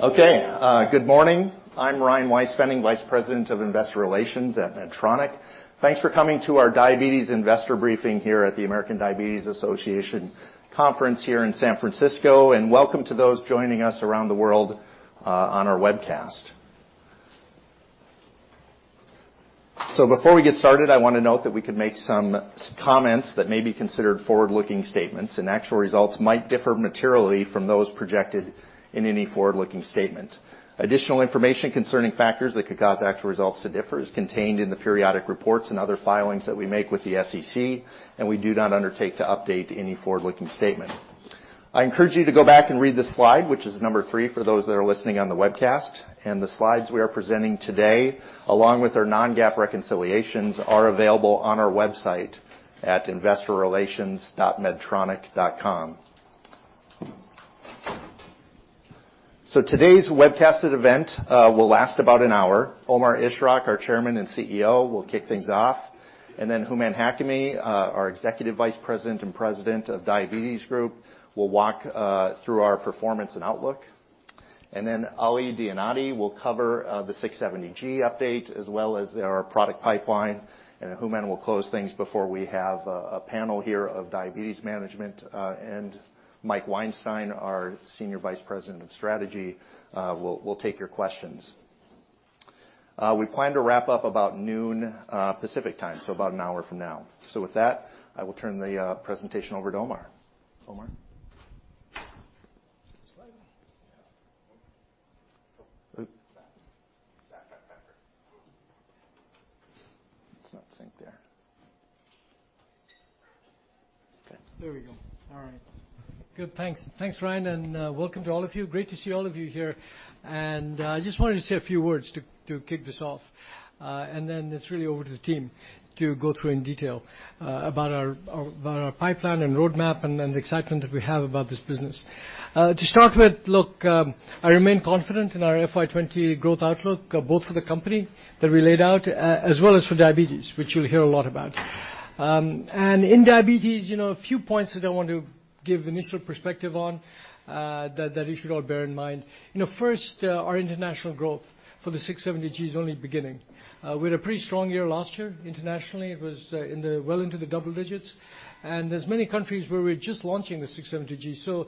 Good morning. I'm Ryan Weispfenning, Vice President of Investor Relations at Medtronic. Thanks for coming to our diabetes investor briefing here at the American Diabetes Association conference here in San Francisco, and welcome to those joining us around the world on our webcast. Before we get started, I want to note that we could make some comments that may be considered forward-looking statements, and actual results might differ materially from those projected in any forward-looking statement. Additional information concerning factors that could cause actual results to differ is contained in the periodic reports and other filings that we make with the SEC, and we do not undertake to update any forward-looking statement. I encourage you to go back and read this slide, which is number three for those that are listening on the webcast. The slides we are presenting today, along with our non-GAAP reconciliations, are available on our website at investorrelations.medtronic.com. Today's webcasted event will last about an hour. Omar Ishrak, our Chairman and CEO, will kick things off. Then Hooman Hakami, our Executive Vice President and President of Diabetes Group, will walk through our performance and outlook. Then Ali Dianaty will cover the 670G update as well as our product pipeline. Hooman will close things before we have a panel here of diabetes management. Mike Weinstein, our Senior Vice President of Strategy, will take your questions. We plan to wrap up about noon Pacific Time, about an hour from now. With that, I will turn the presentation over to Omar. Omar? Slide. Yeah. Oh. Back. It's not synced there. Okay. There we go. All right. Good. Thanks. Thanks, Ryan, and welcome to all of you. Great to see all of you here. I just wanted to say a few words to kick this off. Then it's really over to the team to go through in detail about our pipeline and roadmap and the excitement that we have about this business. To start with, look, I remain confident in our FY 2020 growth outlook, both for the company that we laid out as well as for diabetes, which you'll hear a lot about. In diabetes, a few points that I want to give initial perspective on that you should all bear in mind. First, our international growth for the 670G is only beginning. We had a pretty strong year last year internationally. It was well into the double digits. There's many countries where we're just launching the 670G.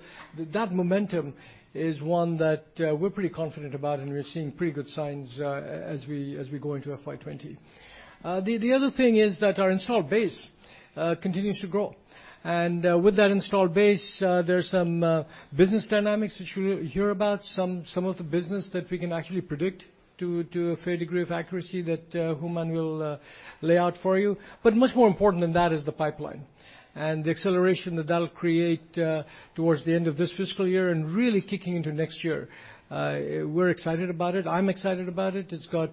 That momentum is one that we're pretty confident about and we're seeing pretty good signs as we go into FY 2020. The other thing is that our installed base continues to grow. With that installed base, there's some business dynamics that you'll hear about, some of the business that we can actually predict to a fair degree of accuracy that Hooman will lay out for you. Much more important than that is the pipeline and the acceleration that that'll create towards the end of this fiscal year and really kicking into next year. We're excited about it. I'm excited about it. It's got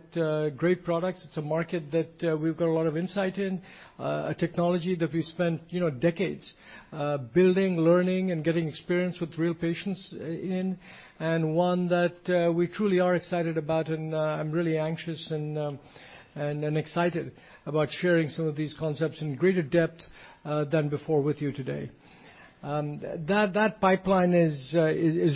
great products. It's a market that we've got a lot of insight in. A technology that we spent decades building, learning, and getting experience with real patients in, one that we truly are excited about and I'm really anxious and excited about sharing some of these concepts in greater depth than before with you today. That pipeline is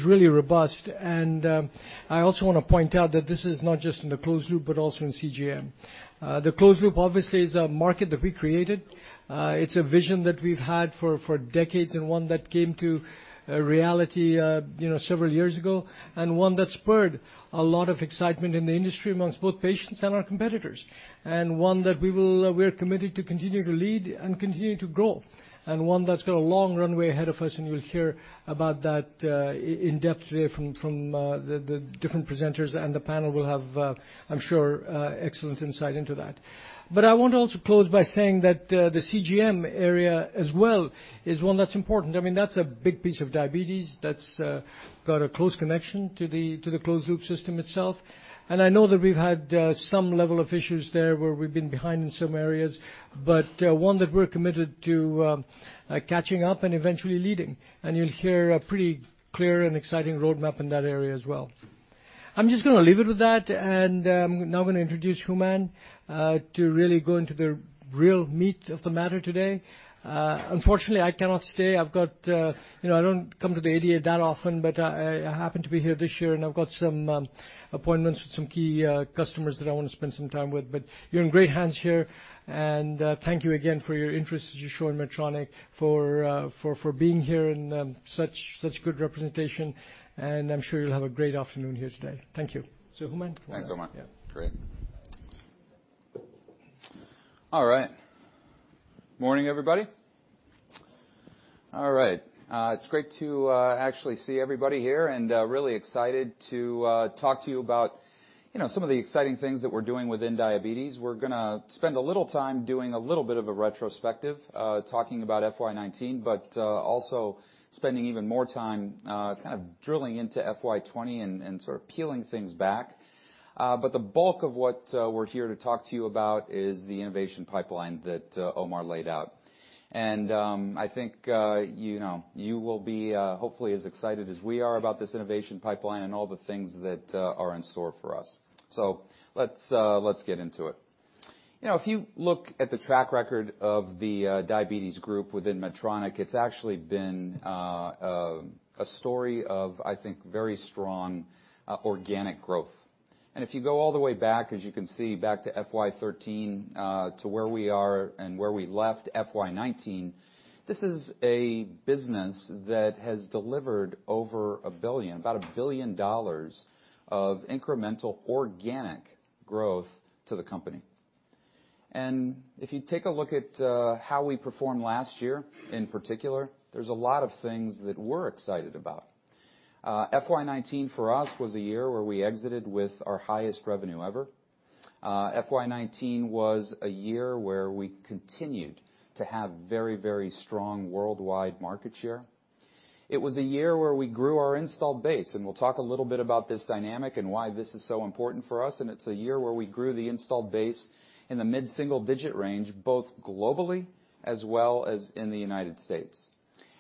really robust. I also want to point out that this is not just in the closed loop but also in CGM. The closed loop obviously is a market that we created. It's a vision that we've had for decades, one that came to reality several years ago, one that spurred a lot of excitement in the industry amongst both patients and our competitors. One that we're committed to continuing to lead and continue to grow. One that's got a long runway ahead of us. You'll hear about that in depth today from the different presenters and the panel will have, I'm sure, excellent insight into that. I want to also close by saying that the CGM area as well is one that's important. That's a big piece of diabetes that's got a close connection to the closed-loop system itself. I know that we've had some level of issues there where we've been behind in some areas, but one that we're committed to catching up and eventually leading. You'll hear a pretty clear and exciting roadmap in that area as well. I'm just going to leave it with that. I'm now going to introduce Hooman to really go into the real meat of the matter today. Unfortunately, I cannot stay. I don't come to the ADA that often. I happen to be here this year. I've got some appointments with some key customers that I want to spend some time with. You're in great hands here. Thank you again for your interest that you show in Medtronic, for being here and such good representation. I'm sure you'll have a great afternoon here today. Thank you. Hooman. Thanks, Omar. Yeah. Great. All right. Morning, everybody. All right. It's great to actually see everybody here and really excited to talk to you about some of the exciting things that we're doing within diabetes. We're going to spend a little time doing a little bit of a retrospective, talking about FY 2019, but also spending even more time kind of drilling into FY 2020 and sort of peeling things back. The bulk of what we're here to talk to you about is the innovation pipeline that Omar laid out. I think you will be hopefully as excited as we are about this innovation pipeline and all the things that are in store for us. Let's get into it. If you look at the track record of the Diabetes Group within Medtronic, it's actually been a story of, I think, very strong organic growth. If you go all the way back, as you can see, back to FY 2013, to where we are and where we left FY 2019, this is a business that has delivered over $1 billion, about $1 billion of incremental organic growth to the company. If you take a look at how we performed last year, in particular, there's a lot of things that we're excited about. FY 2019 for us was a year where we exited with our highest revenue ever. FY 2019 was a year where we continued to have very strong worldwide market share. It was a year where we grew our installed base, and we'll talk a little bit about this dynamic and why this is so important for us. It's a year where we grew the installed base in the mid-single digit range, both globally as well as in the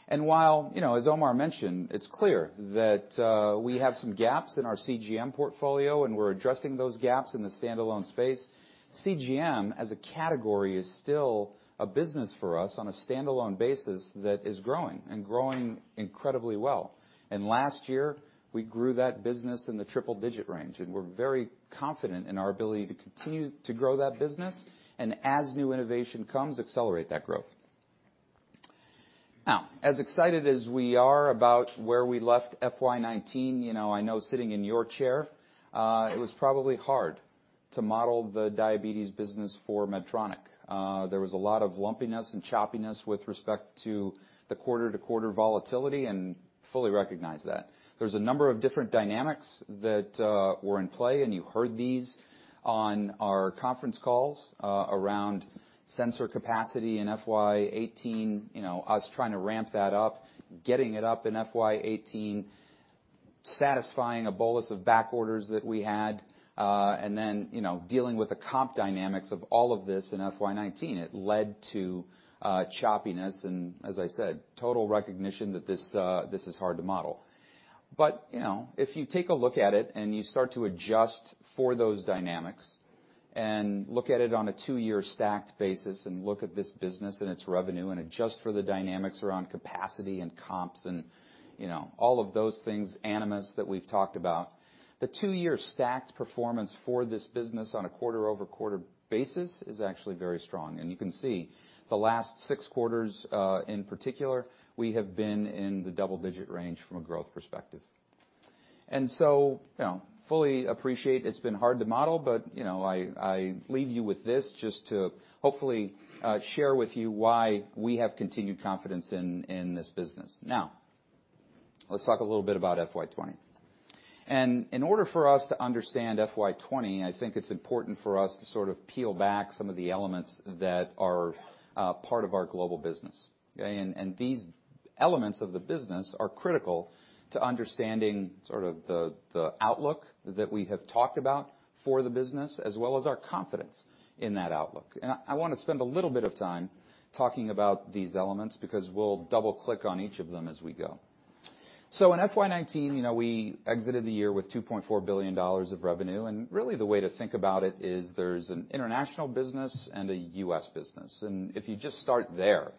U.S. While, as Omar mentioned, it's clear that we have some gaps in our CGM portfolio and we're addressing those gaps in the standalone space, CGM as a category is still a business for us on a standalone basis that is growing, and growing incredibly well. Last year, we grew that business in the triple digit range, and we're very confident in our ability to continue to grow that business, and as new innovation comes, accelerate that growth. As excited as we are about where we left FY 2019, I know sitting in your chair, it was probably hard to model the diabetes business for Medtronic. There was a lot of lumpiness and choppiness with respect to the quarter-to-quarter volatility and fully recognize that. There's a number of different dynamics that were in play, you heard these on our conference calls around sensor capacity in FY 2018, us trying to ramp that up, getting it up in FY 2018, satisfying a bolus of back orders that we had, then dealing with the comp dynamics of all of this in FY 2019. It led to choppiness and, as I said, total recognition that this is hard to model. If you take a look at it and you start to adjust for those dynamics and look at it on a two-year stacked basis and look at this business and its revenue and adjust for the dynamics around capacity and comps and all of those things, Animas that we've talked about, the two-year stacked performance for this business on a quarter-over-quarter basis is actually very strong. You can see the last six quarters, in particular, we have been in the double-digit range from a growth perspective. Fully appreciate it's been hard to model, but I leave you with this just to hopefully share with you why we have continued confidence in this business. Now, let's talk a little bit about FY 2020. In order for us to understand FY 2020, I think it's important for us to sort of peel back some of the elements that are part of our global business. These elements of the business are critical to understanding sort of the outlook that we have talked about for the business as well as our confidence in that outlook. I want to spend a little bit of time talking about these elements because we'll double click on each of them as we go. In FY 2019, we exited the year with $2.4 billion of revenue, really the way to think about it is there's an international business and a U.S. business. If you just start there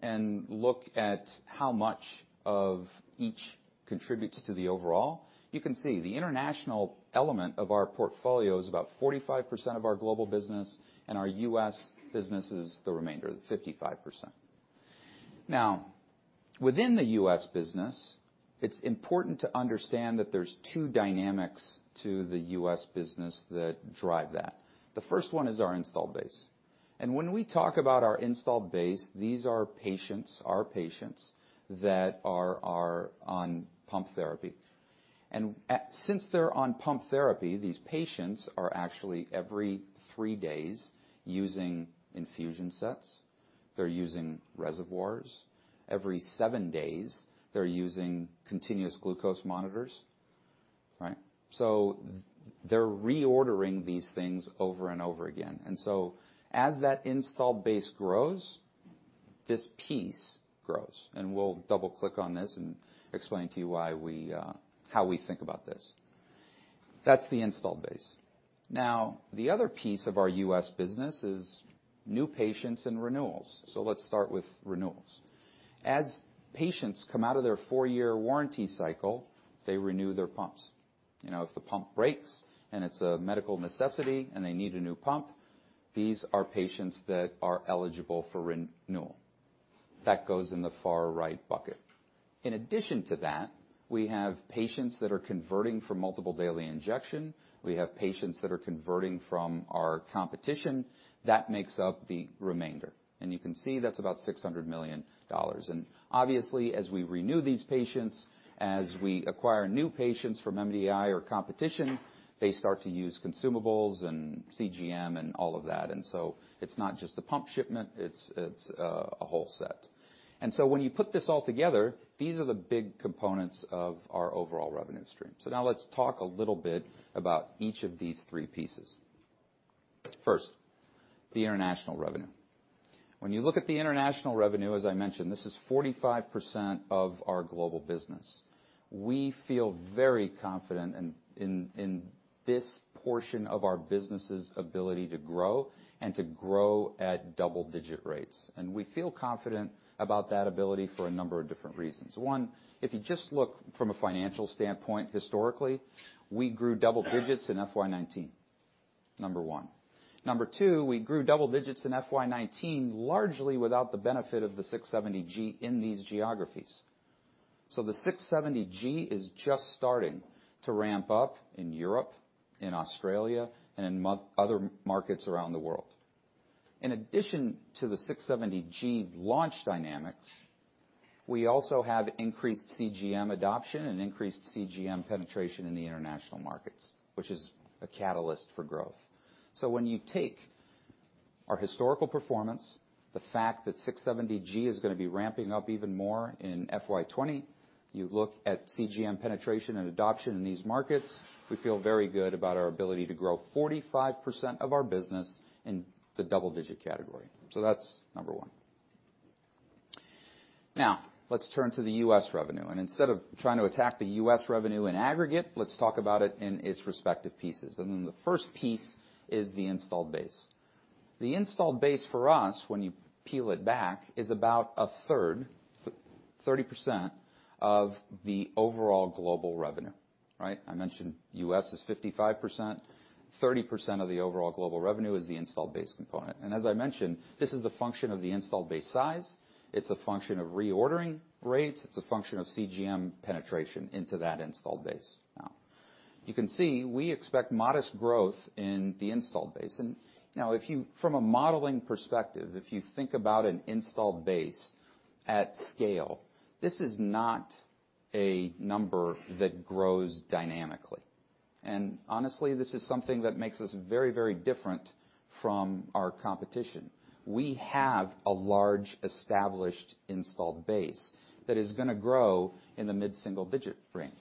and look at how much of each contributes to the overall, you can see the international element of our portfolio is about 45% of our global business and our U.S. business is the remainder, the 55%. Within the U.S. business, it's important to understand that there's two dynamics to the U.S. business that drive that. The first one is our installed base. When we talk about our installed base, these are patients, our patients that are on pump therapy. Since they're on pump therapy, these patients are actually every three days using infusion sets. They're using reservoirs. Every seven days, they're using continuous glucose monitors. They're reordering these things over and over again. As that installed base grows, this piece grows. We'll double click on this and explain to you how we think about this. That's the installed base. The other piece of our U.S. business is new patients and renewals. Let's start with renewals. As patients come out of their four-year warranty cycle, they renew their pumps. If the pump breaks and it's a medical necessity and they need a new pump, these are patients that are eligible for renewal. That goes in the far right bucket. In addition to that, we have patients that are converting from multiple daily injection. We have patients that are converting from our competition. That makes up the remainder. You can see that's about $600 million. Obviously, as we renew these patients, as we acquire new patients from MDI or competition, they start to use consumables and CGM and all of that. It's not just the pump shipment, it's a whole set. When you put this all together, these are the big components of our overall revenue stream. Now let's talk a little bit about each of these three pieces. First, the international revenue. When you look at the international revenue, as I mentioned, this is 45% of our global business. We feel very confident in this portion of our business's ability to grow and to grow at double-digit rates. We feel confident about that ability for a number of different reasons. One, if you just look from a financial standpoint, historically, we grew double digits in FY 2019, number one. Number two, we grew double digits in FY 2019 largely without the benefit of the 670G in these geographies. The 670G is just starting to ramp up in Europe, in Australia, and in other markets around the world. In addition to the 670G launch dynamics, we also have increased CGM adoption and increased CGM penetration in the international markets, which is a catalyst for growth. When you take our historical performance, the fact that 670G is going to be ramping up even more in FY 2020, you look at CGM penetration and adoption in these markets, we feel very good about our ability to grow 45% of our business in the double-digit category. That's number one. Let's turn to the U.S. revenue, and instead of trying to attack the U.S. revenue in aggregate, let's talk about it in its respective pieces. The first piece is the installed base. The installed base for us, when you peel it back, is about a third, 30%, of the overall global revenue. Right? I mentioned U.S. is 55%, 30% of the overall global revenue is the installed base component. As I mentioned, this is a function of the installed base size, it's a function of reordering rates, it's a function of CGM penetration into that installed base. You can see we expect modest growth in the installed base. From a modeling perspective, if you think about an installed base at scale, this is not a number that grows dynamically. Honestly, this is something that makes us very different from our competition. We have a large established installed base that is going to grow in the mid-single-digit range.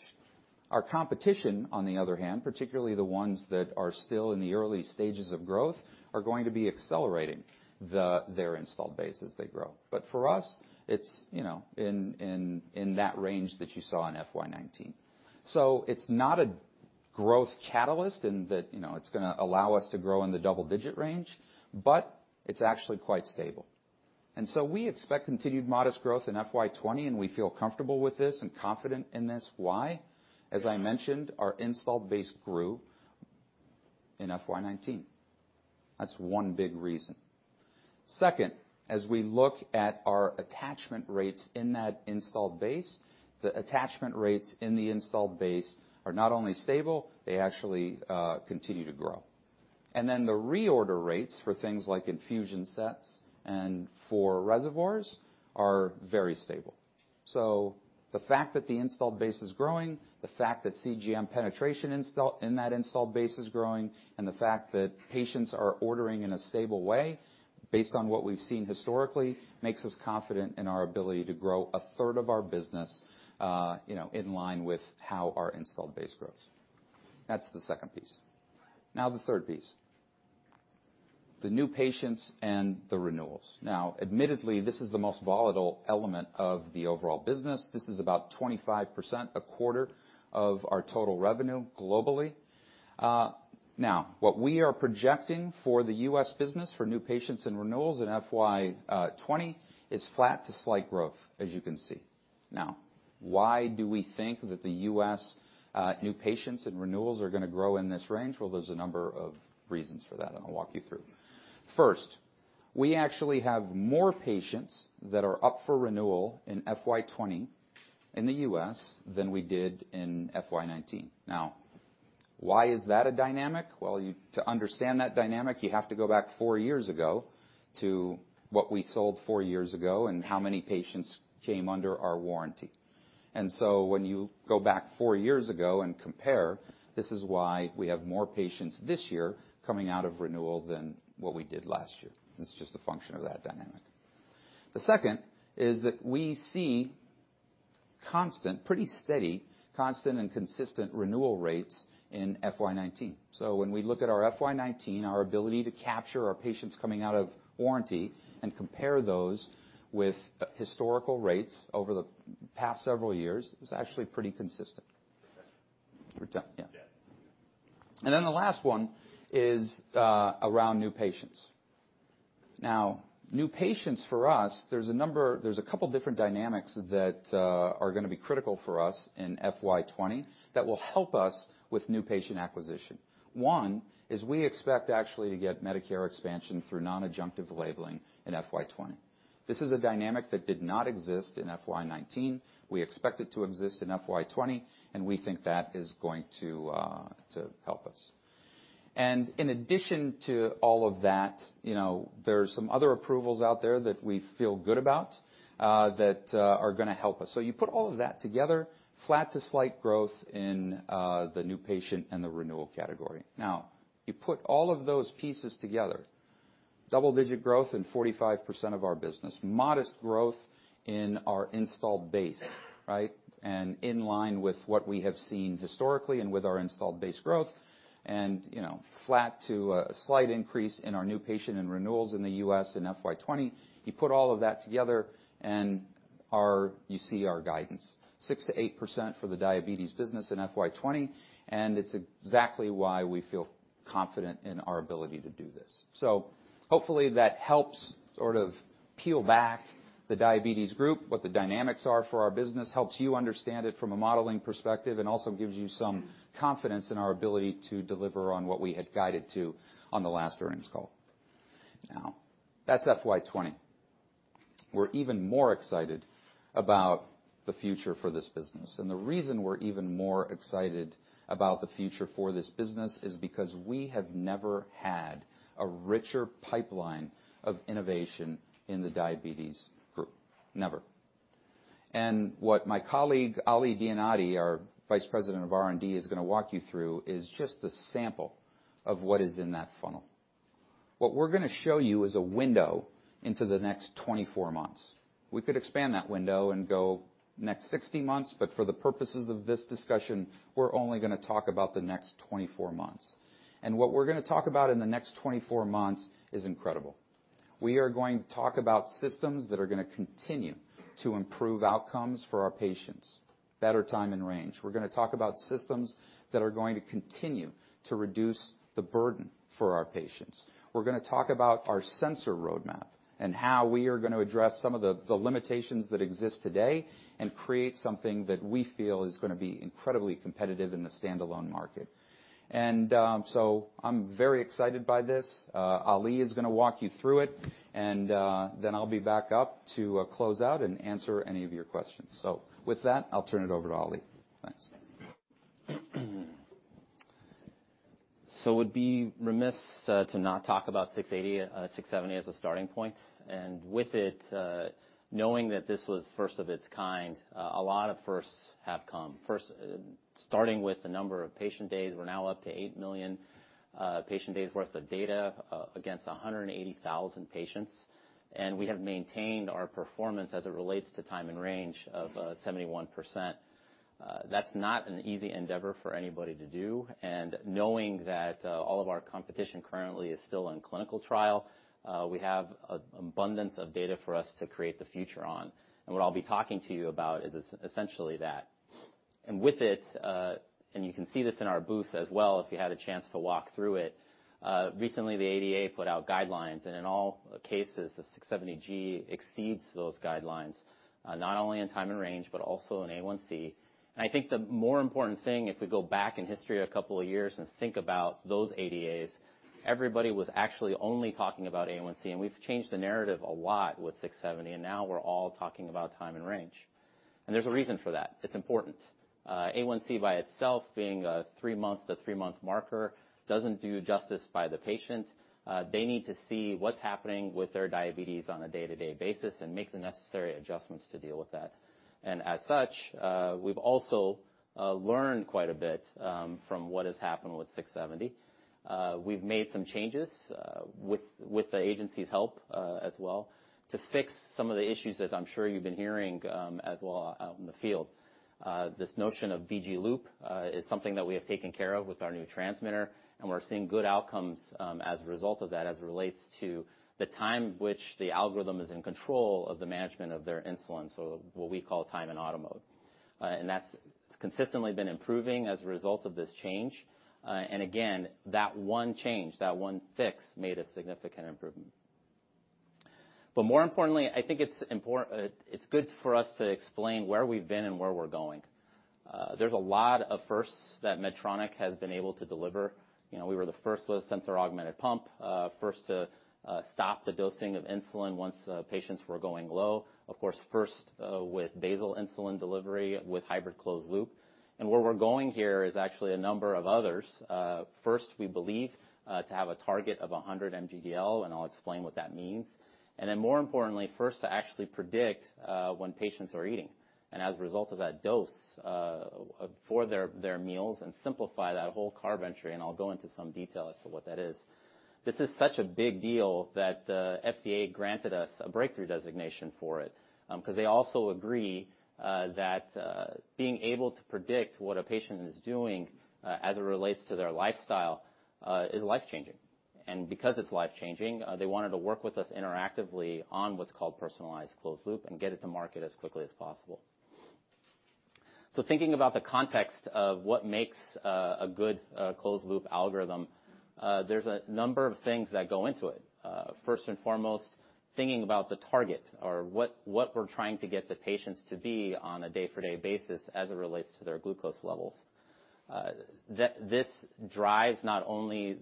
Our competition, on the other hand, particularly the ones that are still in the early stages of growth, are going to be accelerating their installed base as they grow. For us, it's in that range that you saw in FY 2019. It's not a growth catalyst in that it's going to allow us to grow in the double-digit range, but it's actually quite stable. We expect continued modest growth in FY 2020, and we feel comfortable with this and confident in this. Why? As I mentioned, our installed base grew in FY 2019. That's one big reason. Second, as we look at our attachment rates in that installed base, the attachment rates in the installed base are not only stable, they actually continue to grow. The reorder rates for things like infusion sets and for reservoirs are very stable. The fact that the installed base is growing, the fact that CGM penetration in that installed base is growing, and the fact that patients are ordering in a stable way based on what we've seen historically makes us confident in our ability to grow a third of our business in line with how our installed base grows. That's the second piece. The third piece. The new patients and the renewals. Admittedly, this is the most volatile element of the overall business. This is about 25%, a quarter of our total revenue globally. What we are projecting for the U.S. business for new patients and renewals in FY 2020 is flat to slight growth, as you can see. Why do we think that the U.S. new patients and renewals are going to grow in this range? There's a number of reasons for that, and I'll walk you through. First, we actually have more patients that are up for renewal in FY 2020 in the U.S. than we did in FY 2019. Why is that a dynamic? To understand that dynamic, you have to go back 4 years ago to what we sold 4 years ago and how many patients came under our warranty. When you go back 4 years ago and compare, this is why we have more patients this year coming out of renewal than what we did last year. This is just a function of that dynamic. The second is that we see pretty steady, constant, and consistent renewal rates in FY 2019. When we look at our FY 2019, our ability to capture our patients coming out of warranty and compare those with historical rates over the past several years, it's actually pretty consistent. The last one is around new patients. New patients, for us, there's a couple different dynamics that are going to be critical for us in FY 2020 that will help us with new patient acquisition. One is we expect actually to get Medicare expansion through non-adjunctive labeling in FY 2020. This is a dynamic that did not exist in FY 2019. We expect it to exist in FY 2020, and we think that is going to help us. In addition to all of that, there are some other approvals out there that we feel good about that are going to help us. You put all of that together, flat to slight growth in the new patient and the renewal category. You put all of those pieces together, double-digit growth in 45% of our business, modest growth in our installed base, right, and in line with what we have seen historically and with our installed base growth, and flat to a slight increase in our new patient and renewals in the U.S. in FY 2020. You put all of that together and you see our guidance? 6%-8% for the diabetes business in FY 2020, and it's exactly why we feel confident in our ability to do this. Hopefully that helps sort of peel back the Diabetes Group, what the dynamics are for our business, helps you understand it from a modeling perspective, and also gives you some confidence in our ability to deliver on what we had guided to on the last earnings call. That's FY 2020. We're even more excited about the future for this business. The reason we're even more excited about the future for this business is because we have never had a richer pipeline of innovation in the Diabetes Group, never. What my colleague, Ali Dianaty, our Vice President of R&D, is going to walk you through is just a sample of what is in that funnel. What we're going to show you is a window into the next 24 months. We could expand that window and go next 60 months, but for the purposes of this discussion, we're only going to talk about the next 24 months. What we're going to talk about in the next 24 months is incredible. We are going to talk about systems that are going to continue to improve outcomes for our patients, better time in range. We're going to talk about systems that are going to continue to reduce the burden for our patients. We're going to talk about our sensor roadmap and how we are going to address some of the limitations that exist today and create something that we feel is going to be incredibly competitive in the standalone market. I'm very excited by this. Ali is going to walk you through it, and then I'll be back up to close out and answer any of your questions. With that, I'll turn it over to Ali. Thanks. It'd be remiss to not talk about 670 as a starting point. With it, knowing that this was first of its kind, a lot of firsts have come. First, starting with the number of patient days, we're now up to 8 million patient days worth of data against 180,000 patients. We have maintained our performance as it relates to time and range of 71%. That's not an easy endeavor for anybody to do. Knowing that, all of our competition currently is still in clinical trial, we have an abundance of data for us to create the future on. What I'll be talking to you about is essentially that. With it, and you can see this in our booth as well, if you had a chance to walk through it. Recently, the ADA put out guidelines. In all cases, the 670G exceeds those guidelines, not only in time and range, but also in A1C. I think the more important thing, if we go back in history a couple of years and think about those ADAs, everybody was actually only talking about A1C. We've changed the narrative a lot with 670, and now we're all talking about time in range. There's a reason for that. It's important. A1C by itself, being a three-month to three-month marker, doesn't do justice by the patient. They need to see what's happening with their diabetes on a day-to-day basis and make the necessary adjustments to deal with that. As such, we've also learned quite a bit from what has happened with 670. We've made some changes with the agency's help as well, to fix some of the issues as I'm sure you've been hearing as well out in the field. This notion of BG Loop is something that we have taken care of with our new transmitter, and we're seeing good outcomes as a result of that, as it relates to the time which the algorithm is in control of the management of their insulin, so what we call time in auto mode. That's consistently been improving as a result of this change. Again, that one change, that one fix made a significant improvement. More importantly, I think it's good for us to explain where we've been and where we're going. There's a lot of firsts that Medtronic has been able to deliver. We were the first with sensor augmented pump. First to stop the dosing of insulin once patients were going low. Of course, first with basal insulin delivery, with hybrid closed loop. Where we're going here is actually a number of others. First, we believe, to have a target of 100 mg/dL, and I'll explain what that means. More importantly, first to actually predict when patients are eating. As a result of that dose for their meals and simplify that whole carb entry, and I'll go into some detail as to what that is. This is such a big deal that the FDA granted us a breakthrough designation for it, because they also agree that being able to predict what a patient is doing as it relates to their lifestyle is life-changing. Because it's life-changing, they wanted to work with us interactively on what's called Personalized Closed Loop and get it to market as quickly as possible. Thinking about the context of what makes a good closed loop algorithm, there's a number of things that go into it. First and foremost, thinking about the target or what we're trying to get the patients to be on a day-for-day basis as it relates to their glucose levels. This drives not only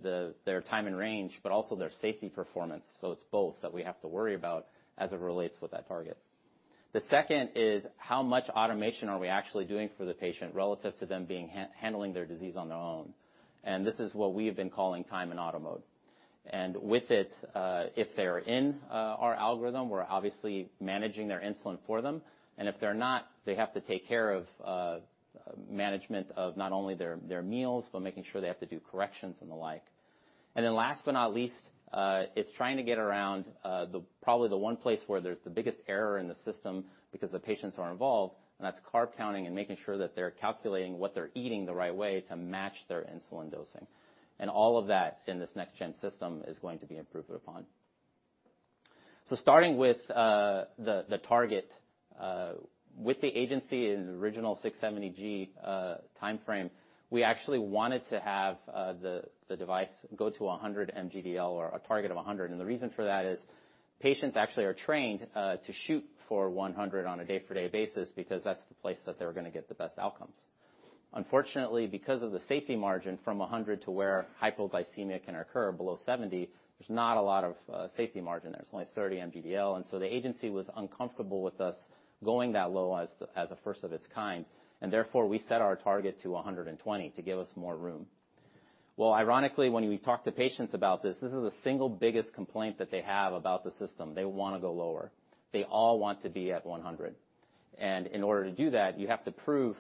their time in range, but also their safety performance. It's both that we have to worry about as it relates with that target. The second is how much automation are we actually doing for the patient relative to them handling their disease on their own. This is what we have been calling time in auto mode. With it, if they're in our algorithm, we're obviously managing their insulin for them. If they're not, they have to take care of management of not only their meals, but making sure they have to do corrections and the like. Last but not least, it's trying to get around probably the one place where there's the biggest error in the system because the patients are involved, and that's carb counting and making sure that they're calculating what they're eating the right way to match their insulin dosing. All of that in this next gen system is going to be improved upon. Starting with the target. With the agency in the original 670G timeframe, we actually wanted to have the device go to 100 mgdL or a target of 100. The reason for that is patients actually are trained to shoot for 100 on a day-to-day basis because that's the place that they're going to get the best outcomes. Unfortunately, because of the safety margin from 100 to where hypoglycemic can occur below 70, there's not a lot of safety margin there. There's only 30 mgdL. The agency was uncomfortable with us going that low as a first of its kind, and therefore, we set our target to 120 to give us more room. Ironically, when we talk to patients about this is the single biggest complaint that they have about the system. They want to go lower. They all want to be at 100. In order to do that, you have to prove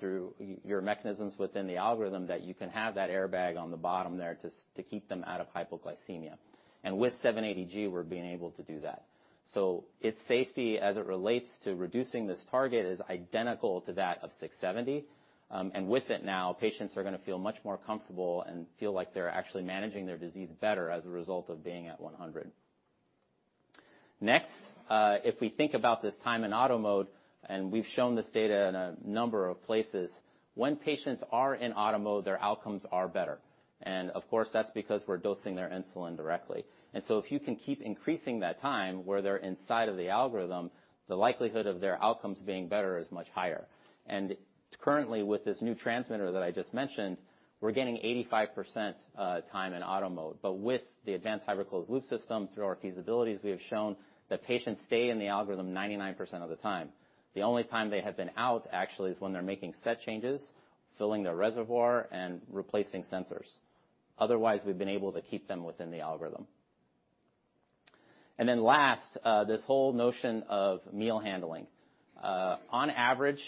through your mechanisms within the algorithm that you can have that airbag on the bottom there to keep them out of hypoglycemia. With 780G, we're being able to do that. Its safety, as it relates to reducing this target, is identical to that of 670. With it now, patients are going to feel much more comfortable and feel like they're actually managing their disease better as a result of being at 100. Next, if we think about this time in auto mode, we've shown this data in a number of places, when patients are in auto mode, their outcomes are better. Of course, that's because we're dosing their insulin directly. If you can keep increasing that time where they're inside of the algorithm, the likelihood of their outcomes being better is much higher. Currently, with this new transmitter that I just mentioned, we're getting 85% time in auto mode. With the advanced hybrid closed-loop system, through our feasibilities, we have shown that patients stay in the algorithm 99% of the time. The only time they have been out, actually, is when they're making set changes, filling their reservoir, and replacing sensors. Otherwise, we've been able to keep them within the algorithm. Last, this whole notion of meal handling. On average,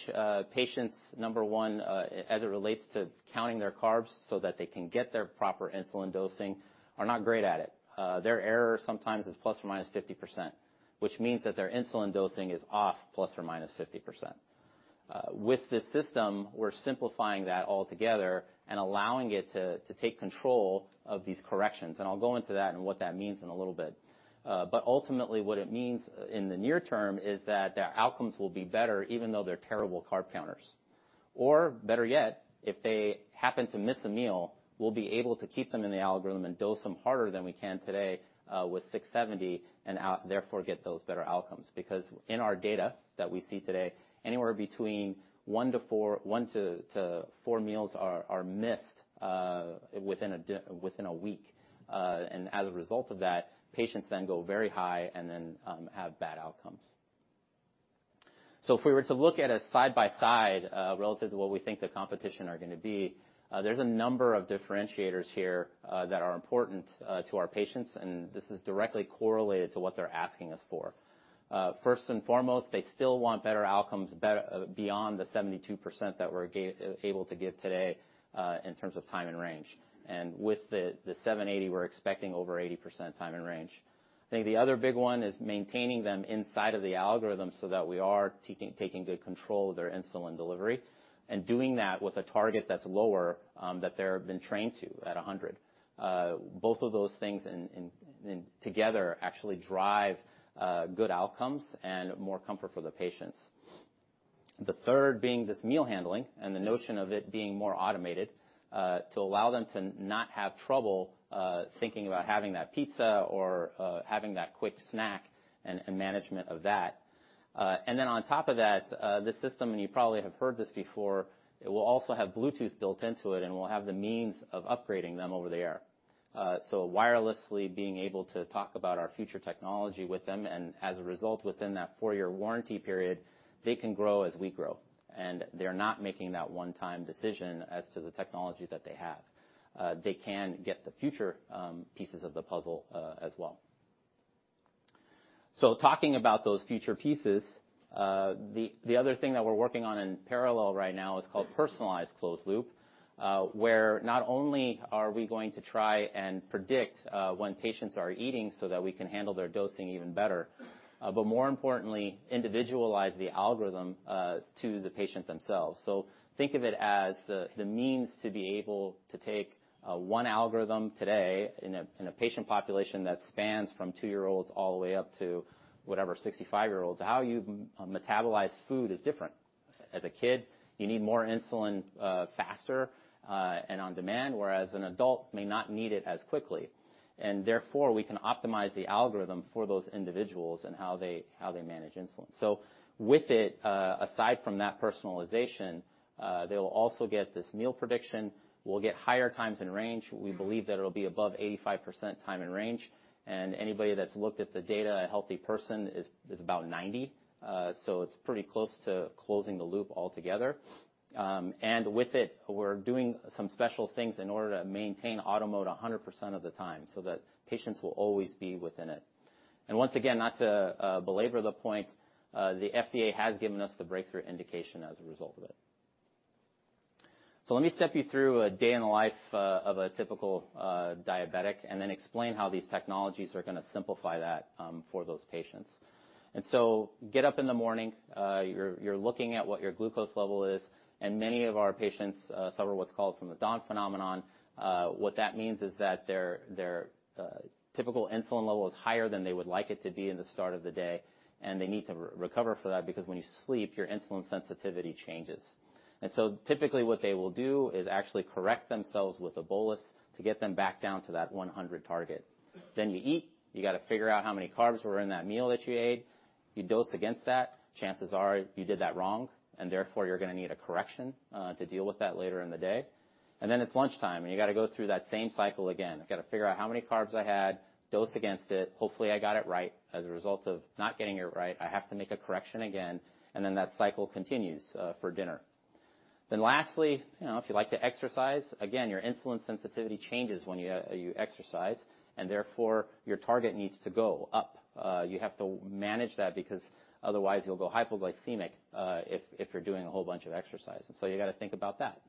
patients, number 1, as it relates to counting their carbs so that they can get their proper insulin dosing, are not great at it. Their error sometimes is ±50%, which means that their insulin dosing is off ±50%. With this system, we're simplifying that altogether and allowing it to take control of these corrections. I'll go into that and what that means in a little bit. Ultimately, what it means in the near term is that their outcomes will be better, even though they're terrible carb counters. Better yet, if they happen to miss a meal, we'll be able to keep them in the algorithm and dose them harder than we can today with 670G, and therefore, get those better outcomes. In our data that we see today, anywhere between one to four meals are missed within a week. As a result of that, patients then go very high and then have bad outcomes. If we were to look at a side-by-side relative to what we think the competition are going to be, there's a number of differentiators here that are important to our patients, and this is directly correlated to what they're asking us for. First and foremost, they still want better outcomes beyond the 72% that we're able to give today in terms of time and range. With the 780, we're expecting over 80% time and range. I think the other big one is maintaining them inside of the algorithm so that we are taking good control of their insulin delivery and doing that with a target that's lower that they have been trained to, at 100. Both of those things together actually drive good outcomes and more comfort for the patients. The third being this meal handling and the notion of it being more automated to allow them to not have trouble thinking about having that pizza or having that quick snack and management of that. On top of that, the system, and you probably have heard this before, it will also have Bluetooth built into it, and we'll have the means of upgrading them over-the-air. Wirelessly being able to talk about our future technology with them, and as a result, within that four-year warranty period, they can grow as we grow. They're not making that one-time decision as to the technology that they have. They can get the future pieces of the puzzle as well. Talking about those future pieces, the other thing that we're working on in parallel right now is called Personalized Closed Loop, where not only are we going to try and predict when patients are eating so that we can handle their dosing even better, but more importantly, individualize the algorithm to the patient themselves. Think of it as the means to be able to take one algorithm today in a patient population that spans from two-year-olds all the way up to, whatever, 65-year-olds. How you metabolize food is different. As a kid, you need more insulin faster and on demand, whereas an adult may not need it as quickly. Therefore, we can optimize the algorithm for those individuals and how they manage insulin. With it, aside from that personalization, they'll also get this meal prediction. We'll get higher times in range. We believe that it'll be above 85% time in range. Anybody that's looked at the data, a healthy person is about 90%. It's pretty close to closing the loop altogether. With it, we're doing some special things in order to maintain auto mode 100% of the time so that patients will always be within it. Once again, not to belabor the point, the FDA has given us the breakthrough indication as a result of it. Let me step you through a day in the life of a typical diabetic and then explain how these technologies are going to simplify that for those patients. Get up in the morning, you're looking at what your glucose level is, and many of our patients suffer what's called from the dawn phenomenon. What that means is that their typical insulin level is higher than they would like it to be in the start of the day, and they need to recover from that because when you sleep, your insulin sensitivity changes. Typically what they will do is actually correct themselves with a bolus to get them back down to that 100 target. You eat. You got to figure out how many carbs were in that meal that you ate. You dose against that. Chances are you did that wrong, and therefore, you're going to need a correction to deal with that later in the day. It's lunchtime, you got to go through that same cycle again. I got to figure out how many carbs I had, dose against it. Hopefully, I got it right. As a result of not getting it right, I have to make a correction again, that cycle continues for dinner. Lastly, if you like to exercise, again, your insulin sensitivity changes when you exercise and therefore your target needs to go up. You have to manage that because otherwise you'll go hypoglycemic, if you're doing a whole bunch of exercise. You got to think about that.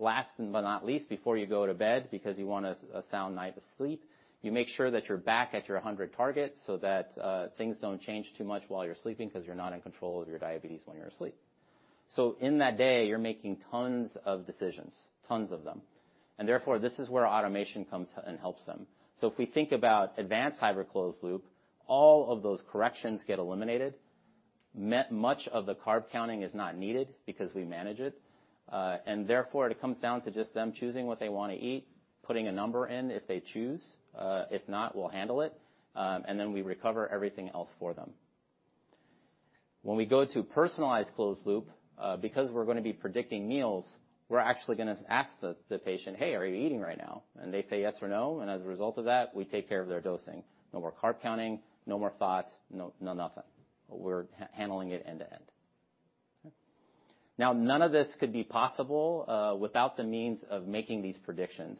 Last but not least, before you go to bed, because you want a sound night of sleep, you make sure that you're back at your 100 target so that things don't change too much while you're sleeping, because you're not in control of your diabetes when you're asleep. In that day, you're making tons of decisions. Tons of them. This is where automation comes and helps them. If we think about advanced hybrid closed-loop, all of those corrections get eliminated. Much of the carb counting is not needed because we manage it. It comes down to just them choosing what they want to eat, putting a number in if they choose. If not, we'll handle it. We recover everything else for them. When we go to Personalized Closed Loop, because we're going to be predicting meals, we're actually going to ask the patient, "Hey, are you eating right now?" They say yes or no. As a result of that, we take care of their dosing. No more carb counting, no more thought, no nothing. We're handling it end to end. None of this could be possible without the means of making these predictions.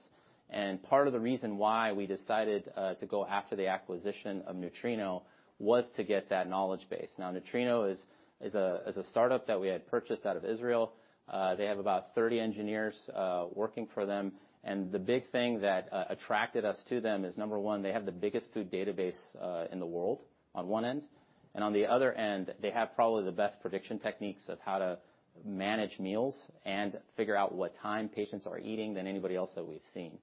Part of the reason why we decided to go after the acquisition of Nutrino was to get that knowledge base. Nutrino is a startup that we had purchased out of Israel. They have about 30 engineers working for them. The big thing that attracted us to them is, number one, they have the biggest food database in the world on one end, and on the other end, they have probably the best prediction techniques of how to manage meals and figure out what time patients are eating than anybody else that we've seen.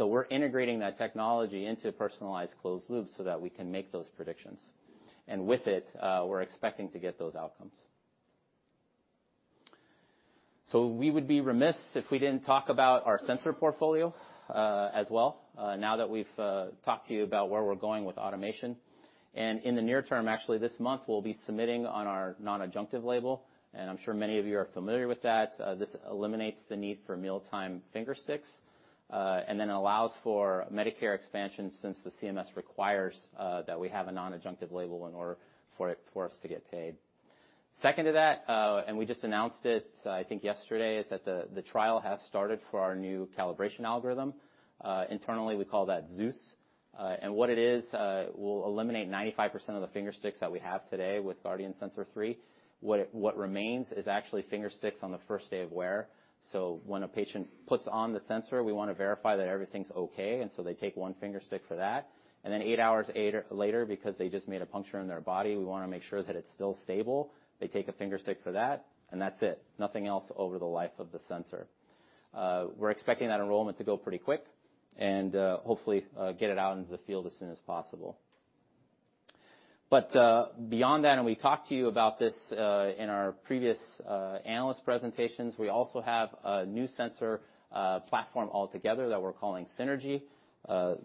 We're integrating that technology into Personalized Closed Loop so that we can make those predictions. With it, we're expecting to get those outcomes. We would be remiss if we didn't talk about our sensor portfolio, as well, now that we've talked to you about where we're going with automation. In the near term, actually this month, we'll be submitting on our non-adjunctive label. I'm sure many of you are familiar with that. This eliminates the need for mealtime finger sticks, allows for Medicare expansion since the CMS requires that we have a non-adjunctive label in order for us to get paid. Second to that, we just announced it, I think, yesterday, is that the trial has started for our new calibration algorithm. Internally, we call that Zeus. What it is, it will eliminate 95% of the finger sticks that we have today with Guardian Sensor 3. What remains is actually finger sticks on the first day of wear. When a patient puts on the sensor, we want to verify that everything's okay, so they take one finger stick for that. Eight hours later, because they just made a puncture in their body, we want to make sure that it's still stable. They take a finger stick for that, and that's it. Nothing else over the life of the sensor. We're expecting that enrollment to go pretty quick and, hopefully, get it out into the field as soon as possible. Beyond that, we talked to you about this in our previous analyst presentations, we also have a new sensor platform altogether that we're calling Synergy.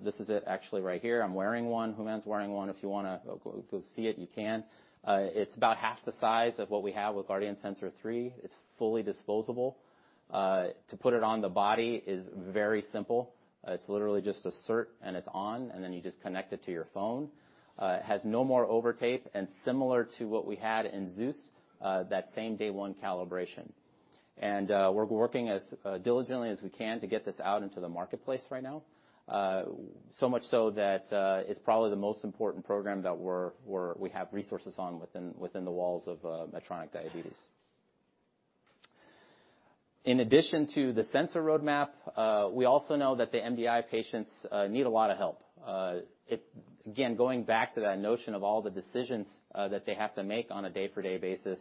This is it actually right here. I'm wearing one. Hooman's wearing one. If you want to go see it, you can. It's about half the size of what we have with Guardian Sensor 3. It's fully disposable. To put it on the body is very simple. It's literally just insert and it's on, then you just connect it to your phone. It has no more overtape and similar to what we had in Zeus, that same day one calibration. We're working as diligently as we can to get this out into the marketplace right now. Much so that it's probably the most important program that we have resources on within the walls of Medtronic Diabetes. In addition to the sensor roadmap, we also know that the MDI patients need a lot of help. Again, going back to that notion of all the decisions that they have to make on a day-for-day basis,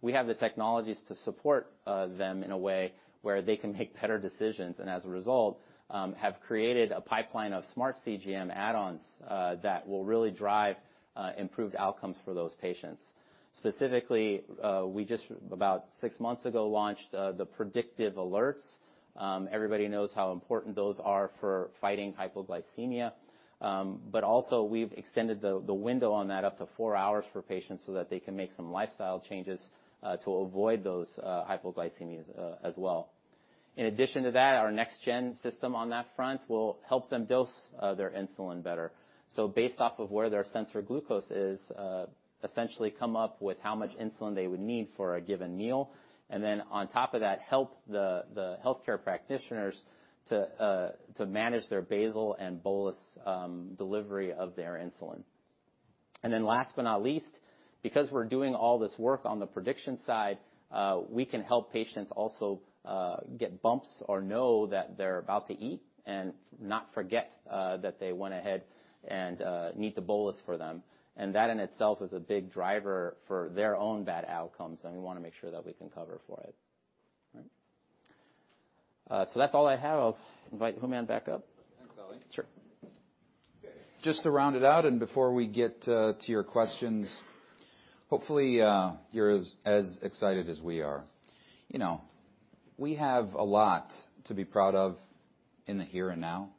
we have the technologies to support them in a way where they can make better decisions, and as a result, have created a pipeline of smart CGM add-ons that will really drive improved outcomes for those patients. Specifically, we just about six months ago, launched the predictive alerts. Everybody knows how important those are for fighting hypoglycemia. Also we've extended the window on that up to 4 hours for patients so that they can make some lifestyle changes to avoid those hypoglycemias as well. In addition to that, our next-gen system on that front will help them dose their insulin better. Based off of where their sensor glucose is, essentially come up with how much insulin they would need for a given meal. On top of that, help the healthcare practitioners to manage their basal and bolus delivery of their insulin. Last but not least. Because we're doing all this work on the prediction side, we can help patients also get bumps or know that they're about to eat and not forget that they went ahead and need to bolus for them. That in itself is a big driver for their own bad outcomes, and we want to make sure that we can cover for it. That's all I have. I'll invite Hooman back up. Thanks, Ali. Sure. Just to round it out and before we get to your questions, hopefully, you're as excited as we are. We have a lot to be proud of in the here and now.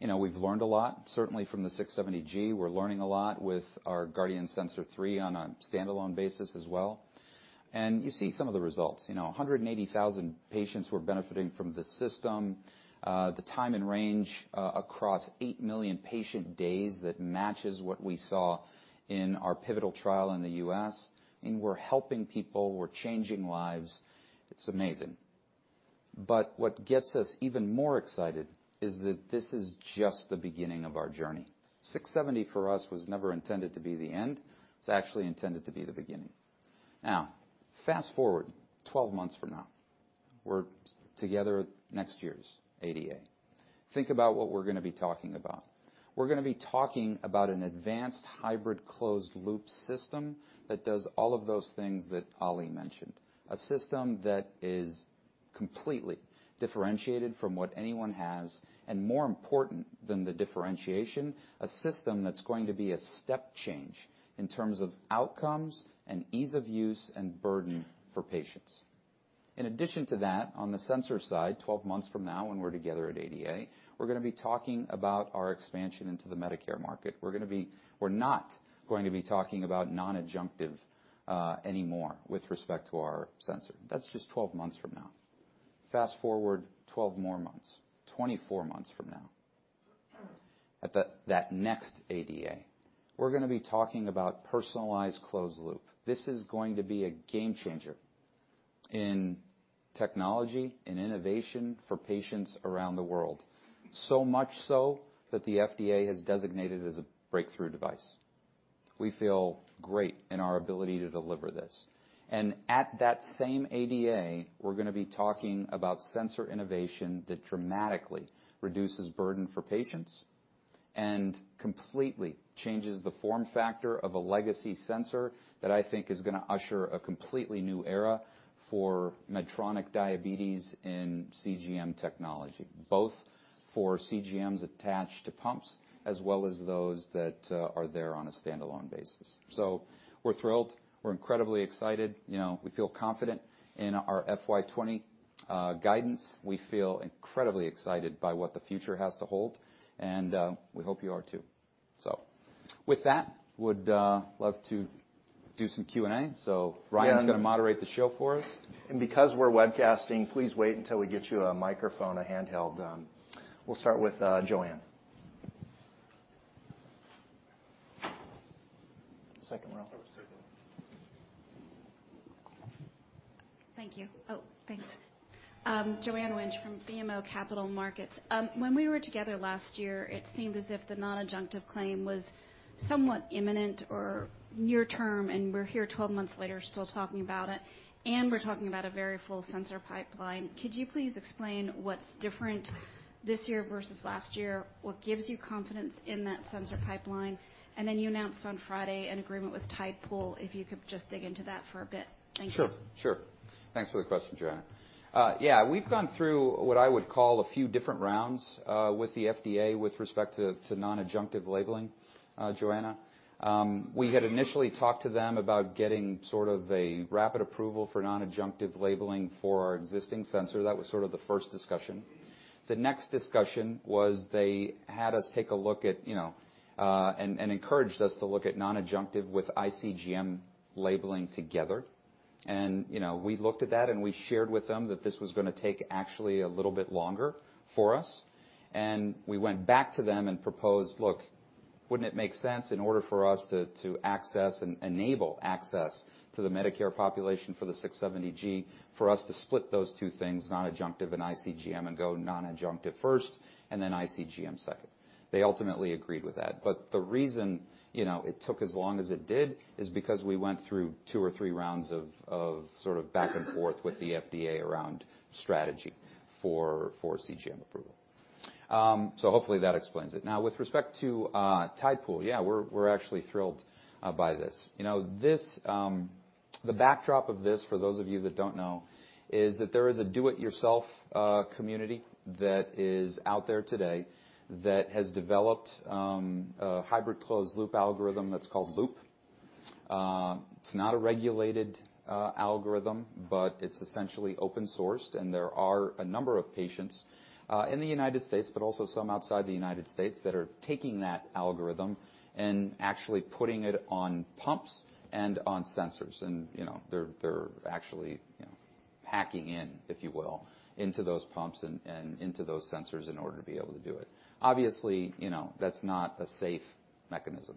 We've learned a lot, certainly from the 670G. We're learning a lot with our Guardian Sensor 3 on a standalone basis as well. You see some of the results. 180,000 patients who are benefiting from the system. The time and range across 8 million patient days that matches what we saw in our pivotal trial in the U.S., and we're helping people, we're changing lives. It's amazing. What gets us even more excited is that this is just the beginning of our journey. 670G for us was never intended to be the end. It's actually intended to be the beginning. Fast-forward 12 months from now. We're together at next year's ADA. Think about what we're going to be talking about. We're going to be talking about an advanced hybrid closed-loop system that does all of those things that Ali mentioned. A system that is completely differentiated from what anyone has, and more important than the differentiation, a system that's going to be a step change in terms of outcomes and ease of use and burden for patients. In addition to that, on the sensor side, 12 months from now when we're together at ADA, we're going to be talking about our expansion into the Medicare market. We're not going to be talking about non-adjunctive anymore with respect to our sensor. That's just 12 months from now. Fast-forward 12 more months, 24 months from now. At that next ADA, we're going to be talking about Personalized Closed Loop. This is going to be a game changer in technology, in innovation for patients around the world, so much so that the FDA has designated it as a breakthrough device. We feel great in our ability to deliver this. At that same ADA, we're going to be talking about sensor innovation that dramatically reduces burden for patients and completely changes the form factor of a legacy sensor that I think is going to usher a completely new era for Medtronic Diabetes in CGM technology, both for CGMs attached to pumps as well as those that are there on a standalone basis. We're thrilled. We're incredibly excited. We feel confident in our FY 2020 guidance. We feel incredibly excited by what the future has to hold, and we hope you are too. With that, would love to do some Q&A. Ryan's going to moderate the show for us. Because we're webcasting, please wait until we get you a microphone, a handheld. We'll start with Joanne. Second row. Thank you. Thanks. Joanne Wuensch from BMO Capital Markets. When we were together last year, it seemed as if the non-adjunctive claim was somewhat imminent or near term, and we're here 12 months later still talking about it, and we're talking about a very full sensor pipeline. Could you please explain what's different this year versus last year? What gives you confidence in that sensor pipeline? Then you announced on Friday an agreement with Tidepool, if you could just dig into that for a bit. Thank you. Sure. Thanks for the question, Joanne. Yeah, we've gone through what I would call a few different rounds with the FDA with respect to non-adjunctive labeling, Joanne. We had initially talked to them about getting sort of a rapid approval for non-adjunctive labeling for our existing sensor. That was sort of the first discussion. The next discussion was they had us take a look at and encouraged us to look at non-adjunctive with iCGM labeling together. We looked at that, and we shared with them that this was going to take actually a little bit longer for us. We went back to them and proposed, "Look, wouldn't it make sense in order for us to access and enable access to the Medicare population for the 670G, for us to split those two things, non-adjunctive and iCGM, and go non-adjunctive first and then iCGM second?" They ultimately agreed with that. The reason it took as long as it did is because we went through two or three rounds of sort of back and forth with the FDA around strategy for CGM approval. Hopefully, that explains it. With respect to Tidepool, yeah, we're actually thrilled by this. The backdrop of this, for those of you that don't know, is that there is a do-it-yourself community that is out there today that has developed a hybrid closed loop algorithm that's called Loop. It's not a regulated algorithm, but it's essentially open-sourced, and there are a number of patients in the U.S., but also some outside the U.S. that are taking that algorithm and actually putting it on pumps and on sensors. They're actually hacking in, if you will, into those pumps and into those sensors in order to be able to do it. Obviously, that's not a safe mechanism.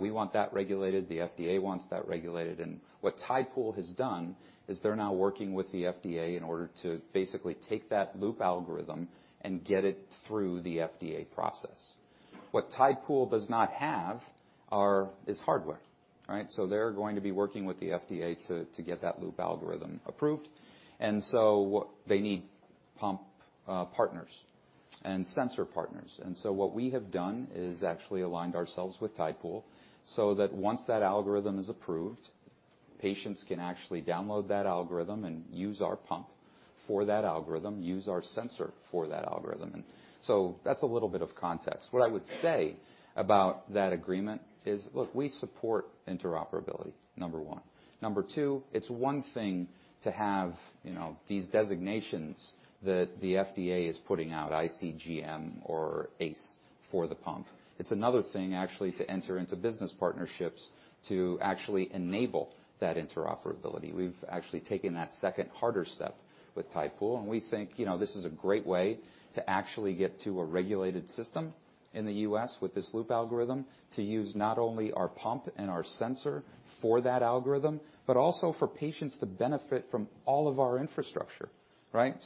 We want that regulated. The FDA wants that regulated. What Tidepool has done is they're now working with the FDA in order to basically take that Loop algorithm and get it through the FDA process. What Tidepool does not have is hardware. They're going to be working with the FDA to get that Loop algorithm approved. They need pump partners and sensor partners. What we have done is actually aligned ourselves with Tidepool, so that once that algorithm is approved, patients can actually download that algorithm and use our pump for that algorithm, use our sensor for that algorithm. That's a little bit of context. What I would say about that agreement is, look, we support interoperability, number one. Number two, it's one thing to have these designations that the FDA is putting out, iCGM or ACE for the pump. It's another thing actually to enter into business partnerships to actually enable that interoperability. We've actually taken that second harder step with Tidepool, and we think this is a great way to actually get to a regulated system in the U.S. with this Loop algorithm. To use not only our pump and our sensor for that algorithm, but also for patients to benefit from all of our infrastructure.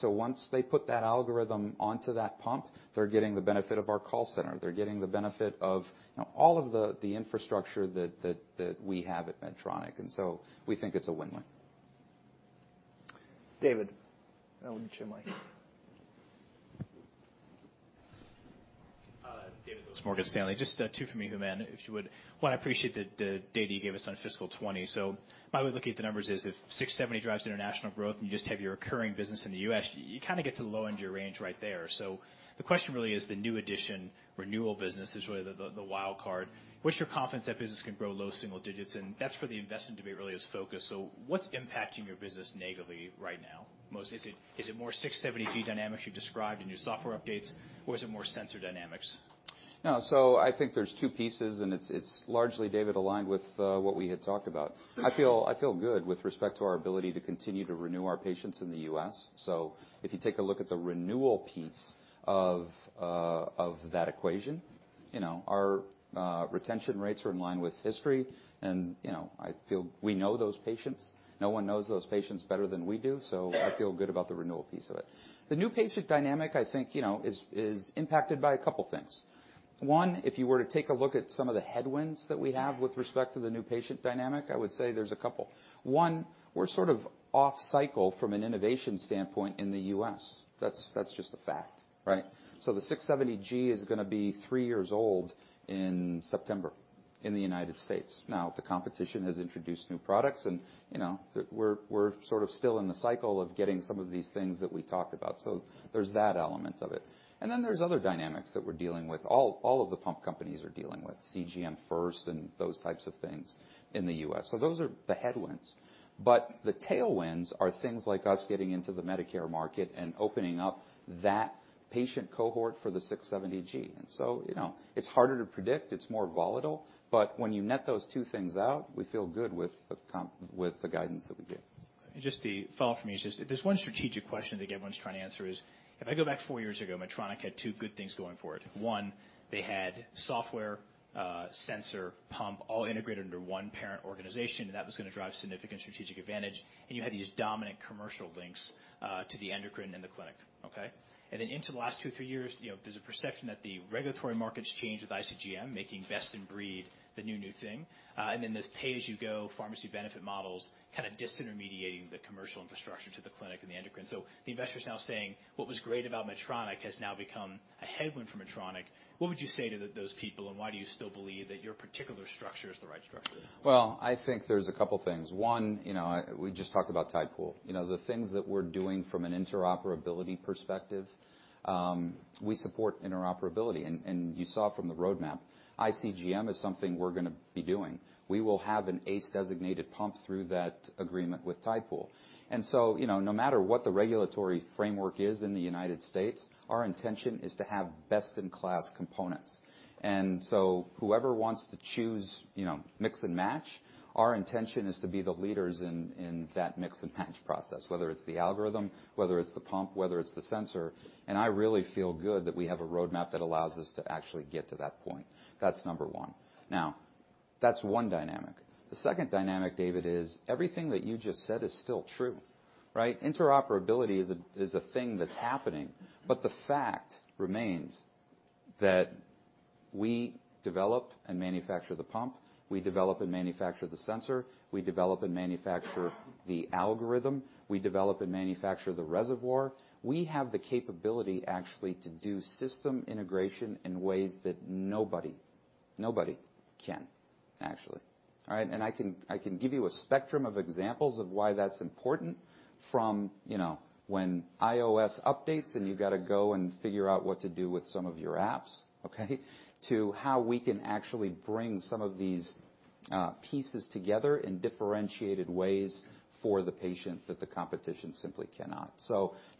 Once they put that algorithm onto that pump, they're getting the benefit of our call center. They're getting the benefit of all of the infrastructure that we have at Medtronic. We think it's a win-win. David. I'll give you the mic. David Lewis, Morgan Stanley. Just two from me, Hooman, if you would. One, I appreciate the data you gave us on fiscal 2020. My way of looking at the numbers is if 670 drives international growth and you just have your recurring business in the U.S., you kind of get to the low end of your range right there. The question really is the new addition renewal business is really the wild card. What's your confidence that business can grow low single digits? That's where the investment debate really is focused. What's impacting your business negatively right now? Is it more 670G dynamics you described in your software updates, or is it more sensor dynamics? No. I think there's two pieces, and it's largely, David, aligned with what we had talked about. I feel good with respect to our ability to continue to renew our patients in the U.S. If you take a look at the renewal piece of that equation, our retention rates are in line with history, and I feel we know those patients. No one knows those patients better than we do. I feel good about the renewal piece of it. The new patient dynamic, I think, is impacted by a couple things. One, if you were to take a look at some of the headwinds that we have with respect to the new patient dynamic, I would say there's a couple. One, we're sort of off cycle from an innovation standpoint in the U.S. That's just a fact. The 670G is going to be three years old in September in the U.S. The competition has introduced new products, we're sort of still in the cycle of getting some of these things that we talked about. There's that element of it. Then there's other dynamics that we're dealing with. All of the pump companies are dealing with CGM first and those types of things in the U.S. Those are the headwinds. The tailwinds are things like us getting into the Medicare market and opening up that patient cohort for the 670G. It's harder to predict, it's more volatile, but when you net those two things out, we feel good with the guidance that we give. Just the follow-up from me is just if there's one strategic question that everyone's trying to answer is, if I go back four years ago, Medtronic had two good things going for it. One, they had software, sensor, pump, all integrated under one parent organization, that was going to drive significant strategic advantage. You had these dominant commercial links to the endocrine and the clinic. Into the last two, three years, there's a perception that the regulatory markets change with iCGM, making best in breed the new thing. This pay-as-you-go pharmacy benefit models kind of disintermediating the commercial infrastructure to the clinic and the endocrine. The investor is now saying what was great about Medtronic has now become a headwind for Medtronic. What would you say to those people, why do you still believe that your particular structure is the right structure? I think there's a couple things. One, we just talked about Tidepool. The things that we're doing from an interoperability perspective, we support interoperability. You saw from the roadmap, iCGM is something we're going to be doing. We will have an ACE designated pump through that agreement with Tidepool. No matter what the regulatory framework is in the U.S., our intention is to have best-in-class components. Whoever wants to choose, mix and match, our intention is to be the leaders in that mix and match process, whether it's the algorithm, whether it's the pump, whether it's the sensor. I really feel good that we have a roadmap that allows us to actually get to that point. That's number one. That's one dynamic. The second dynamic, David, is everything that you just said is still true. Interoperability is a thing that's happening. The fact remains that we develop and manufacture the pump. We develop and manufacture the sensor. We develop and manufacture the algorithm. We develop and manufacture the reservoir. We have the capability actually to do system integration in ways that nobody can. All right. I can give you a spectrum of examples of why that's important from when iOS updates and you got to go and figure out what to do with some of your apps, okay, to how we can actually bring some of these pieces together in differentiated ways for the patient that the competition simply cannot.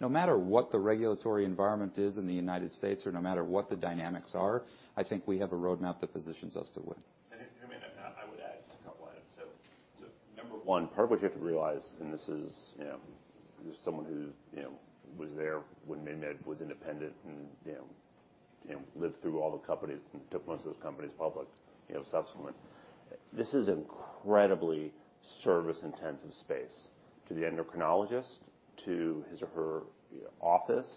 No matter what the regulatory environment is in the U.S., or no matter what the dynamics are, I think we have a roadmap that positions us to win. I would add just a couple items. Number one, part of what you have to realize, and this is someone who was there when MiniMed was independent and lived through all the companies and took most of those companies public subsequent. This is incredibly service intensive space. To the endocrinologist, to his or her office,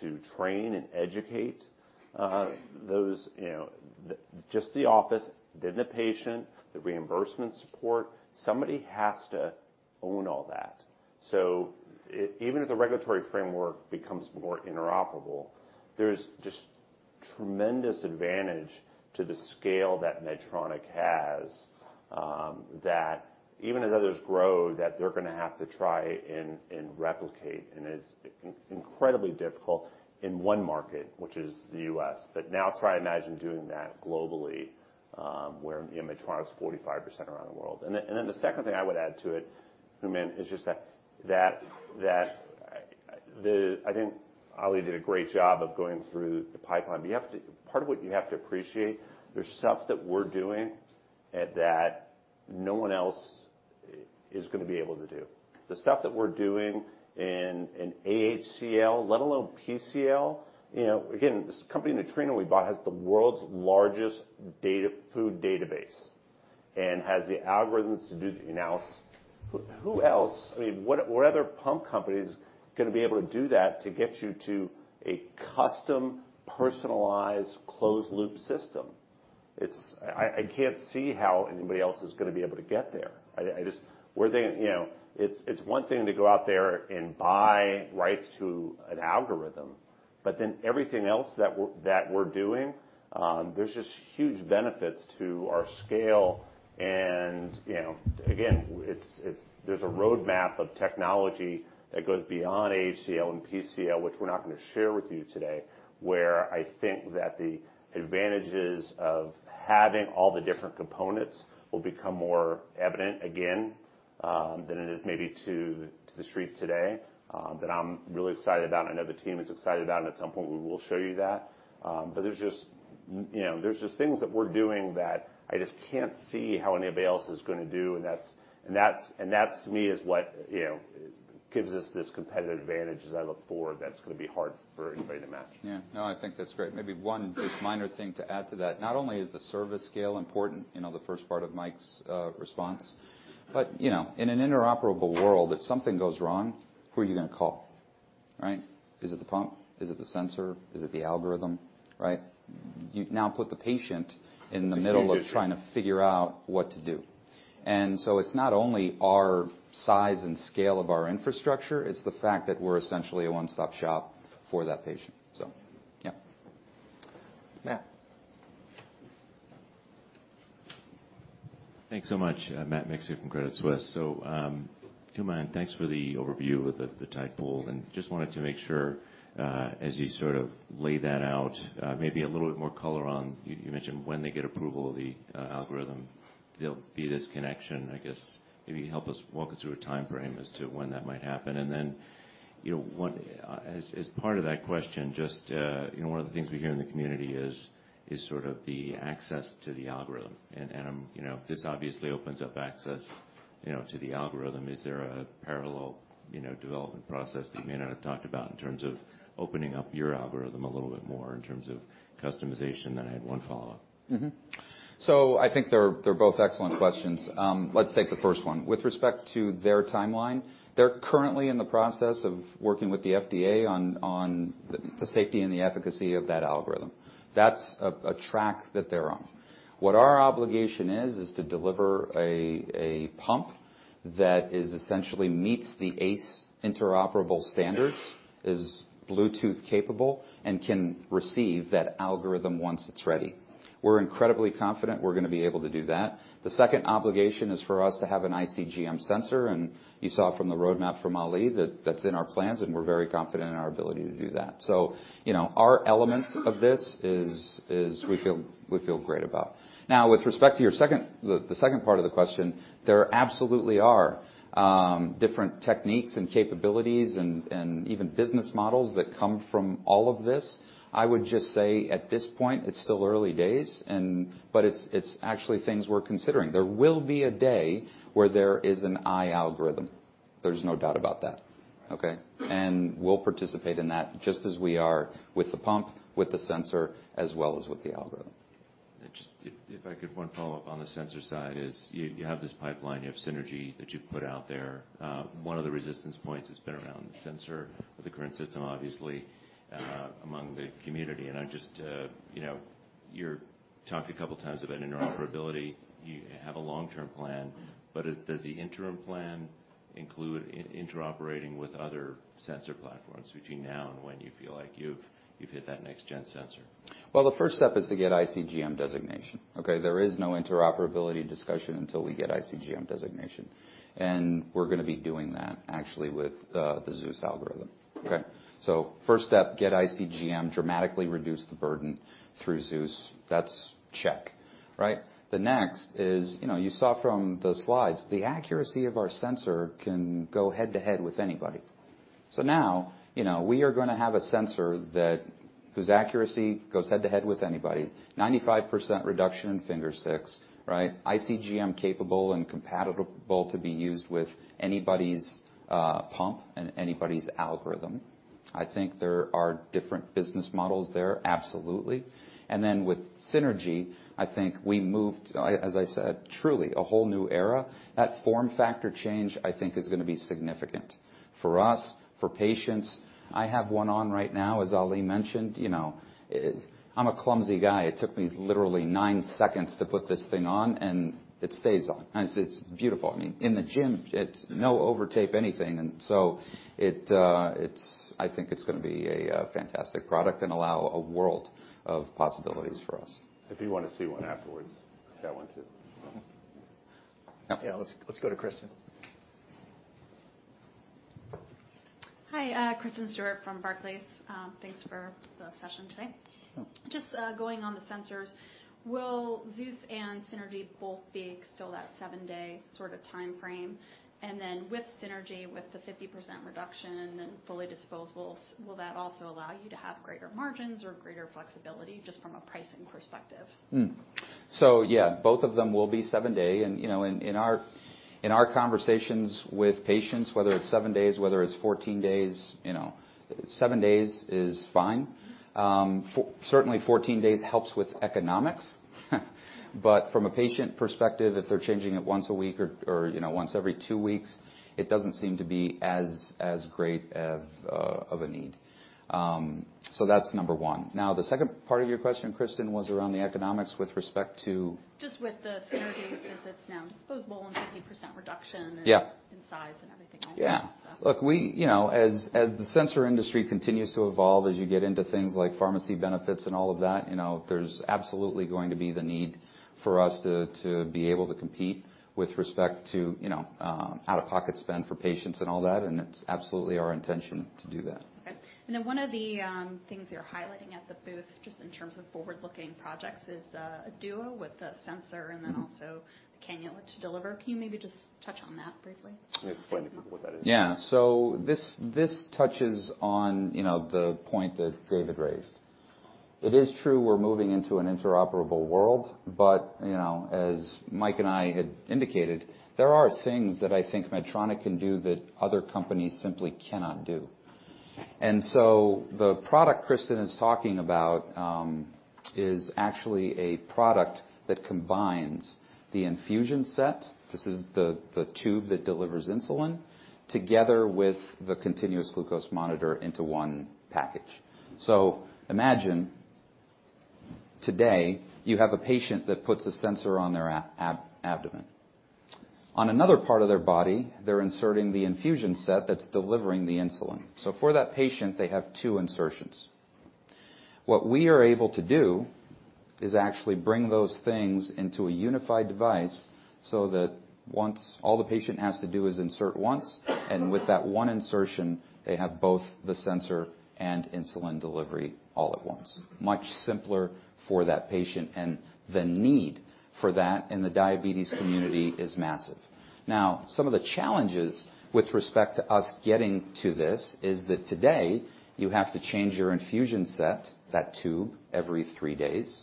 to train and educate just the office, then the patient, the reimbursement support. Somebody has to own all that. Even if the regulatory framework becomes more interoperable, there's just tremendous advantage to the scale that Medtronic has, that even as others grow, that they're going to have to try and replicate. It is incredibly difficult in one market, which is the U.S. Now try imagine doing that globally, where Medtronic is 45% around the world. The second thing I would add to it, Hooman, is just that I think Ali did a great job of going through the pipeline. Part of what you have to appreciate, there's stuff that we're doing that no one else is going to be able to do. The stuff that we're doing in AHCL, let alone PCL. Again, this company, Nutrino, we bought, has the world's largest food database and has the algorithms to do the analysis. What other pump company is going to be able to do that to get you to a custom, personalized, closed loop system? I can't see how anybody else is going to be able to get there. It's one thing to go out there and buy rights to an algorithm, everything else that we're doing, there's just huge benefits to our scale. Again, there's a roadmap of technology that goes beyond AHCL and PCL, which we're not going to share with you today, where I think that the advantages of having all the different components will become more evident again, than it is maybe to the street today. That I'm really excited about, I know the team is excited about, at some point, we will show you that. There's just things that we're doing that I just can't see how anybody else is going to do. That to me, is what gives us this competitive advantage as I look forward, that's going to be hard for anybody to match. Yeah. No, I think that's great. Maybe one just minor thing to add to that. Not only is the service scale important, the first part of Mike's response, but, in an interoperable world, if something goes wrong, who are you going to call, right? Is it the pump? Is it the sensor? Is it the algorithm? Right? You now put the patient in the middle- It's a huge issue of trying to figure out what to do. It's not only our size and scale of our infrastructure, it's the fact that we're essentially a one-stop shop for that patient. Yeah. Matt. Thanks so much. Matt Miksic here from Credit Suisse. Hooman, thanks for the overview with the Tidepool, and just wanted to make sure, as you sort of lay that out, maybe a little bit more color on You mentioned when they get approval of the algorithm, there'll be this connection. I guess, maybe walk us through a timeframe as to when that might happen. As part of that question, just one of the things we hear in the community is sort of the access to the algorithm. This obviously opens up access to the algorithm. Is there a parallel development process that you may not have talked about in terms of opening up your algorithm a little bit more in terms of customization? I had one follow-up. I think they're both excellent questions. Let's take the first one. With respect to their timeline, they're currently in the process of working with the FDA on the safety and the efficacy of that algorithm. That's a track that they're on. What our obligation is to deliver a pump that essentially meets the ACE interoperable standards, is Bluetooth capable, and can receive that algorithm once it's ready. We're incredibly confident we're going to be able to do that. The second obligation is for us to have an iCGM sensor, and you saw from the roadmap from Ali, that that's in our plans, and we're very confident in our ability to do that. Our elements of this is, we feel great about. Now, with respect to the second part of the question, there absolutely are different techniques and capabilities and even business models that come from all of this. I would just say at this point, it's still early days. It's actually things we're considering. There will be a day where there is an AccuRhythm AI. There's no doubt about that, okay? We'll participate in that just as we are with the pump, with the sensor, as well as with the algorithm. Just if I could, one follow-up on the sensor side is, you have this pipeline, you have Synergy that you've put out there. One of the resistance points has been around the sensor with the current system, obviously, among the community. You talked a couple of times about interoperability. You have a long-term plan. Does the interim plan include interoperating with other sensor platforms between now and when you feel like you've hit that next gen sensor? Well, the first step is to get iCGM designation. Okay? There is no interoperability discussion until we get iCGM designation. We're going to be doing that actually with the Zeus algorithm. Okay? First step, get iCGM, dramatically reduce the burden through Zeus. That's check. Right? The next is, you saw from the slides, the accuracy of our sensor can go head to head with anybody. Now, we are going to have a sensor Whose accuracy goes head-to-head with anybody. 95% reduction in finger sticks, right? iCGM capable and compatible to be used with anybody's pump and anybody's algorithm. I think there are different business models there, absolutely. Then with Synergy, I think we moved, as I said, truly a whole new era. That form factor change, I think, is going to be significant for us, for patients. I have one on right now, as Ali mentioned. I'm a clumsy guy. It took me literally nine seconds to put this thing on. It stays on. It's beautiful. In the gym, it's no overtape anything. I think it's going to be a fantastic product and allow a world of possibilities for us. If you want to see one afterwards, I've got one too. Yeah. Let's go to Kristen. Hi, Kristen Stewart from Barclays. Thanks for the session today. Yeah. Just going on the sensors, will Zeus and Synergy both be still that seven-day sort of time frame? With Synergy, with the 50% reduction and fully disposables, will that also allow you to have greater margins or greater flexibility just from a pricing perspective? Yeah, both of them will be seven-day. In our conversations with patients, whether it's seven days, whether it's 14 days, seven days is fine. Certainly 14 days helps with economics. From a patient perspective, if they're changing it once a week or once every two weeks, it doesn't seem to be as great of a need. That's number 1. Now, the second part of your question, Kristen, was around the economics with respect to- Just with the Synergy, since it's now disposable and 50% reduction- Yeah in size and everything else. Yeah. Look, as the sensor industry continues to evolve, as you get into things like pharmacy benefits and all of that, there's absolutely going to be the need for us to be able to compete with respect to out-of-pocket spend for patients and all that, it's absolutely our intention to do that. Okay. One of the things you're highlighting at the booth, just in terms of forward-looking projects, is a duo with the sensor and then also the cannula to deliver. Can you maybe just touch on that briefly? Maybe explain to people what that is. Yeah. This touches on the point that David raised. It is true we're moving into an interoperable world, but as Mike and I had indicated, there are things that I think Medtronic can do that other companies simply cannot do. The product Kristen is talking about, is actually a product that combines the infusion set, this is the tube that delivers insulin, together with the continuous glucose monitor into one package. Imagine, today, you have a patient that puts a sensor on their abdomen. On another part of their body, they're inserting the infusion set that's delivering the insulin. For that patient, they have two insertions. What we are able to do is actually bring those things into a unified device so that all the patient has to do is insert once. With that one insertion, they have both the sensor and insulin delivery all at once. Much simpler for that patient. The need for that in the diabetes community is massive. Some of the challenges with respect to us getting to this is that today, you have to change your infusion set, that tube, every three days.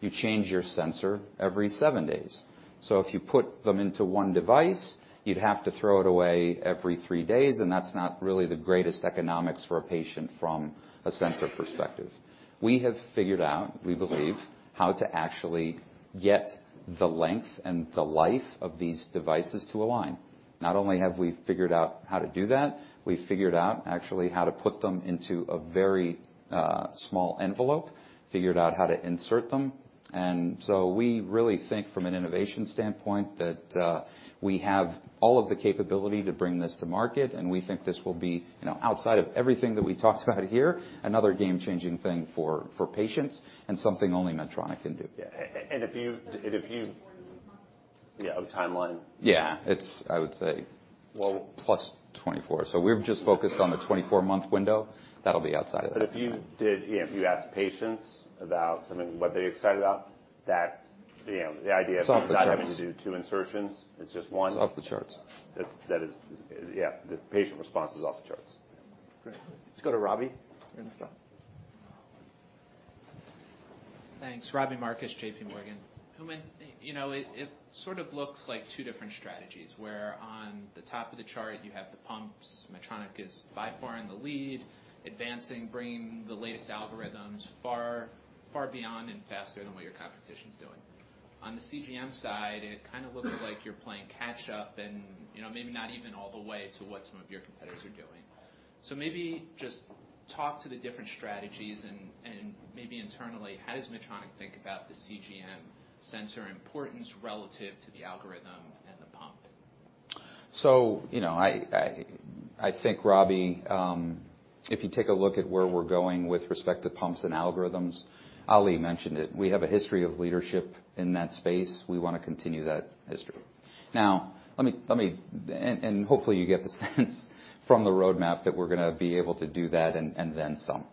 You change your sensor every seven days. If you put them into one device, you'd have to throw it away every three days, and that's not really the greatest economics for a patient from a sensor perspective. We have figured out, we believe, how to actually get the length and the life of these devices to align. Not only have we figured out how to do that, we've figured out actually how to put them into a very small envelope, figured out how to insert them. We really think from an innovation standpoint that we have all of the capability to bring this to market, and we think this will be, outside of everything that we talked about here, another game-changing thing for patients and something only Medtronic can do. Yeah. The timeline is more than a few months? Yeah, a timeline. Yeah. It's, I would say, plus 24. We're just focused on the 24-month window. That'll be outside of that. If you asked patients about something, what they're excited about. It's off the charts. not having to do two insertions, it's just one. It's off the charts. Yeah. The patient response is off the charts. Great. Let's go to Robbie. In the front. Thanks. Robbie Marcus, JPMorgan. Hooman, it sort of looks like two different strategies, where on the top of the chart you have the pumps. Medtronic is by far in the lead, advancing, bringing the latest algorithms far beyond and faster than what your competition's doing. On the CGM side, it kind of looks like you're playing catch up and maybe not even all the way to what some of your competitors are doing. Maybe just talk to the different strategies and maybe internally, how does Medtronic think about the CGM sensor importance relative to the algorithm and the pump? I think, Robbie, if you take a look at where we're going with respect to pumps and algorithms, Ali mentioned it. We have a history of leadership in that space. We want to continue that history. Hopefully you get the sense from the roadmap that we're going to be able to do that and then some.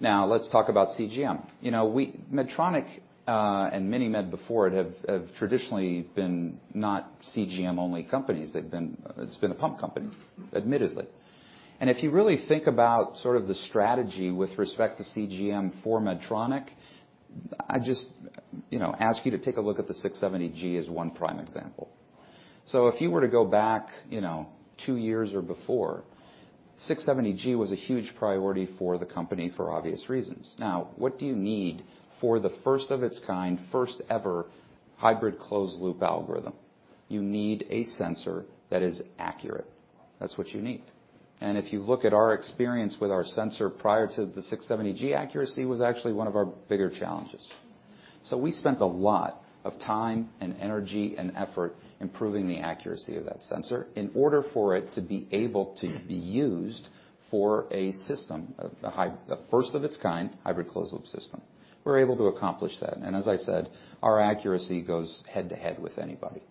Let's talk about CGM. Medtronic, and MiniMed before it, have traditionally been not CGM-only companies. It's been a pump company, admittedly. If you really think about the strategy with respect to CGM for Medtronic, I just ask you to take a look at the 670G as one prime example. If you were to go back, two years or before, 670G was a huge priority for the company for obvious reasons. What do you need for the first of its kind, first ever hybrid closed loop algorithm? You need a sensor that is accurate. That's what you need. If you look at our experience with our sensor prior to the 670G, accuracy was actually one of our bigger challenges. We spent a lot of time and energy, and effort improving the accuracy of that sensor in order for it to be able to be used for a system, the first of its kind, hybrid closed loop system. We were able to accomplish that. As I said, our accuracy goes head to head with anybody.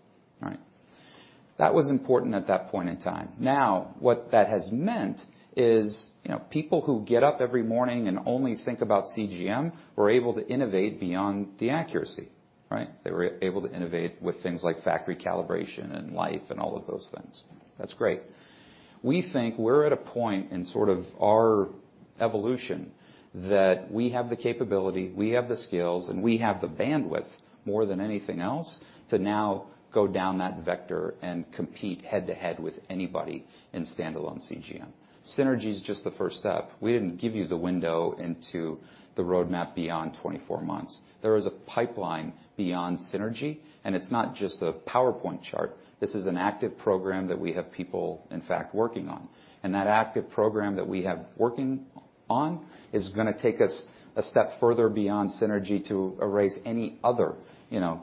All right. That was important at that point in time. What that has meant is, people who get up every morning and only think about CGM were able to innovate beyond the accuracy, right? They were able to innovate with things like factory calibration and life and all of those things. That's great. We think we're at a point in sort of our evolution that we have the capability, we have the skills, and we have the bandwidth more than anything else to now go down that vector and compete head to head with anybody in standalone CGM. Synergy's just the first step. We didn't give you the window into the roadmap beyond 24 months. There is a pipeline beyond Synergy, and it's not just a PowerPoint chart. This is an active program that we have people, in fact, working on. That active program that we have working on is going to take us a step further beyond Synergy to erase any other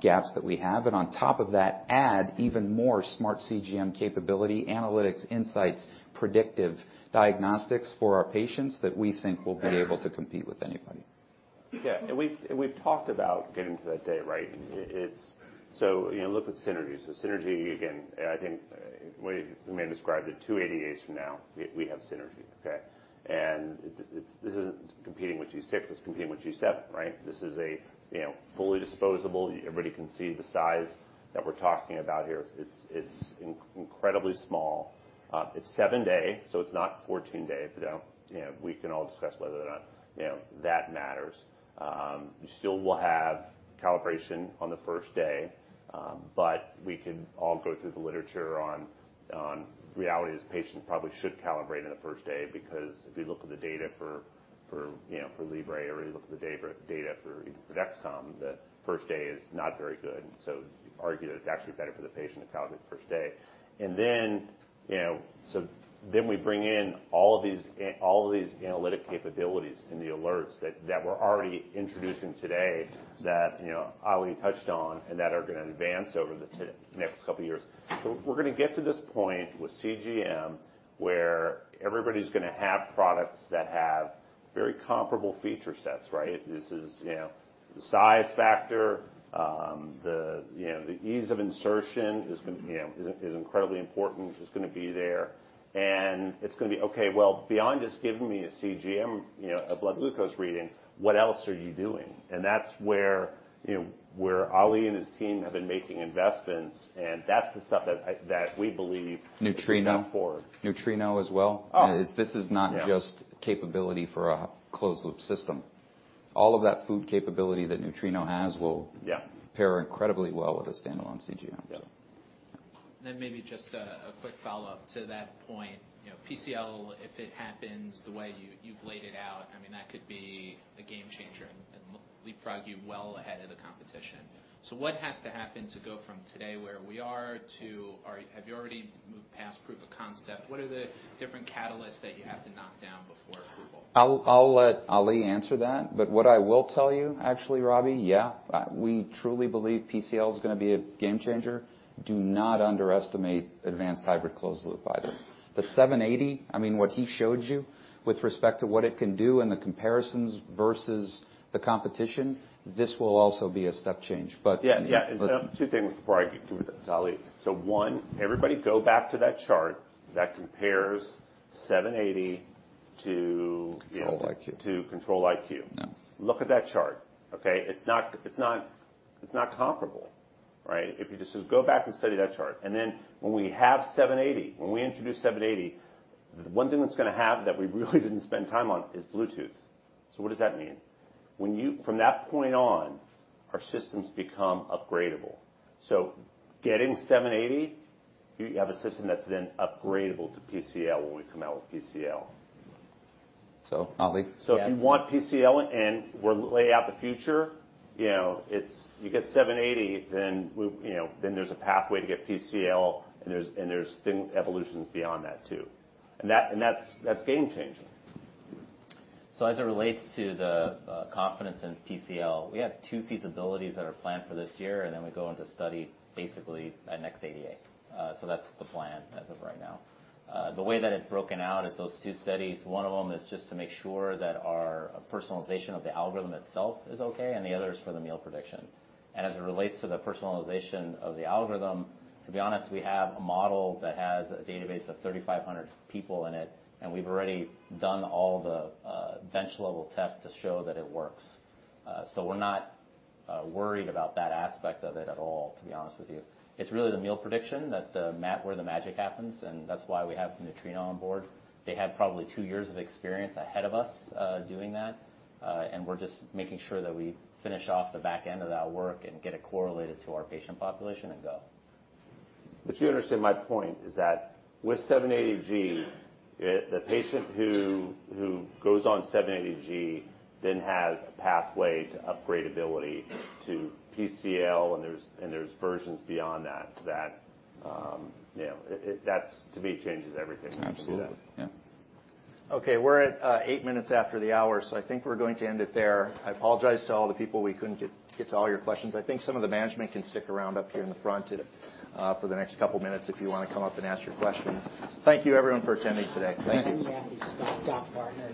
gaps that we have. On top of that, add even more smart CGM capability, analytics, insights, predictive diagnostics for our patients that we think will be able to compete with anybody. Yeah. We've talked about getting to that day, right? Look at Synergy. Synergy, again, I think we may have described it 288 from now, we have Synergy. Okay? This isn't competing with G6, it's competing with G7, right? This is a fully disposable. Everybody can see the size that we're talking about here. It's incredibly small. It's seven day, so it's not 14 day. We can all discuss whether or not that matters. You still will have calibration on the first day, but we could all go through the literature on reality as patients probably should calibrate on the first day because if you look at the data for Libre or you look at the data for even Dexcom, the first day is not very good. You could argue that it's actually better for the patient to calibrate the first day. We bring in all of these analytic capabilities in the alerts that we're already introducing today that Ali touched on, and that are going to advance over the next couple of years. We're going to get to this point with CGM, where everybody's going to have products that have very comparable feature sets, right? This is the size factor. The ease of insertion is incredibly important, is going to be there. It's going to be, "Okay, well, beyond just giving me a CGM, a blood glucose reading, what else are you doing?" That's where Ali and his team have been making investments, and that's the stuff that we believe. Nutrino Is going forward. Nutrino as well. Oh. This is not just capability for a closed loop system. All of that food capability that Nutrino has. Yeah pair incredibly well with a standalone CGM. Yeah. Maybe just a quick follow-up to that point. PCL, if it happens the way you've laid it out, that could be a game changer and leapfrog you well ahead of the competition. Yeah. What has to happen to go from today where we are to Have you already moved past proof of concept? What are the different catalysts that you have to knock down before approval? I'll let Ali answer that, but what I will tell you actually, Robbie, yeah. We truly believe PCL is going to be a game changer. Do not underestimate advanced hybrid closed-loop either. The 780, what he showed you with respect to what it can do and the comparisons versus the competition, this will also be a step change. Yeah. Two things before I give it to Ali. One, everybody go back to that chart that compares 780. Control-IQ to Control-IQ. Yeah. Look at that chart. Okay? It's not comparable. Right? If you just go back and study that chart. When we have 780, when we introduce 780, the one thing that it's going to have that we really didn't spend time on is Bluetooth. What does that mean? From that point on, our systems become upgradable. Getting 780, you have a system that's then upgradable to PCL when we come out with PCL. Ali? If you want PCL and we'll lay out the future, you get 780, there's a pathway to get PCL, there's evolutions beyond that too. That's game changing. As it relates to the confidence in PCL, we have two feasibilities that are planned for this year, we go into study basically at next ADA. That's the plan as of right now. The way that it's broken out is those two studies, one of them is just to make sure that our personalization of the algorithm itself is okay, the other is for the meal prediction. As it relates to the personalization of the algorithm, to be honest, we have a model that has a database of 3,500 people in it, we've already done all the bench level tests to show that it works. We're not worried about that aspect of it at all, to be honest with you. It's really the meal prediction where the magic happens, that's why we have Nutrino on board. They have probably two years of experience ahead of us doing that. We're just making sure that we finish off the back end of that work and get it correlated to our patient population and go. You understand my point is that with 780G, the patient who goes on 780G then has a pathway to upgradability to PCL, there's versions beyond that. That, to me, changes everything. Absolutely. Yeah. Okay. We're at eight minutes after the hour, I think we're going to end it there. I apologize to all the people we couldn't get to all your questions. I think some of the management can stick around up here in the front for the next couple of minutes if you want to come up and ask your questions. Thank you everyone for attending today. Thank you. Thank you. Thank you. Doc Parker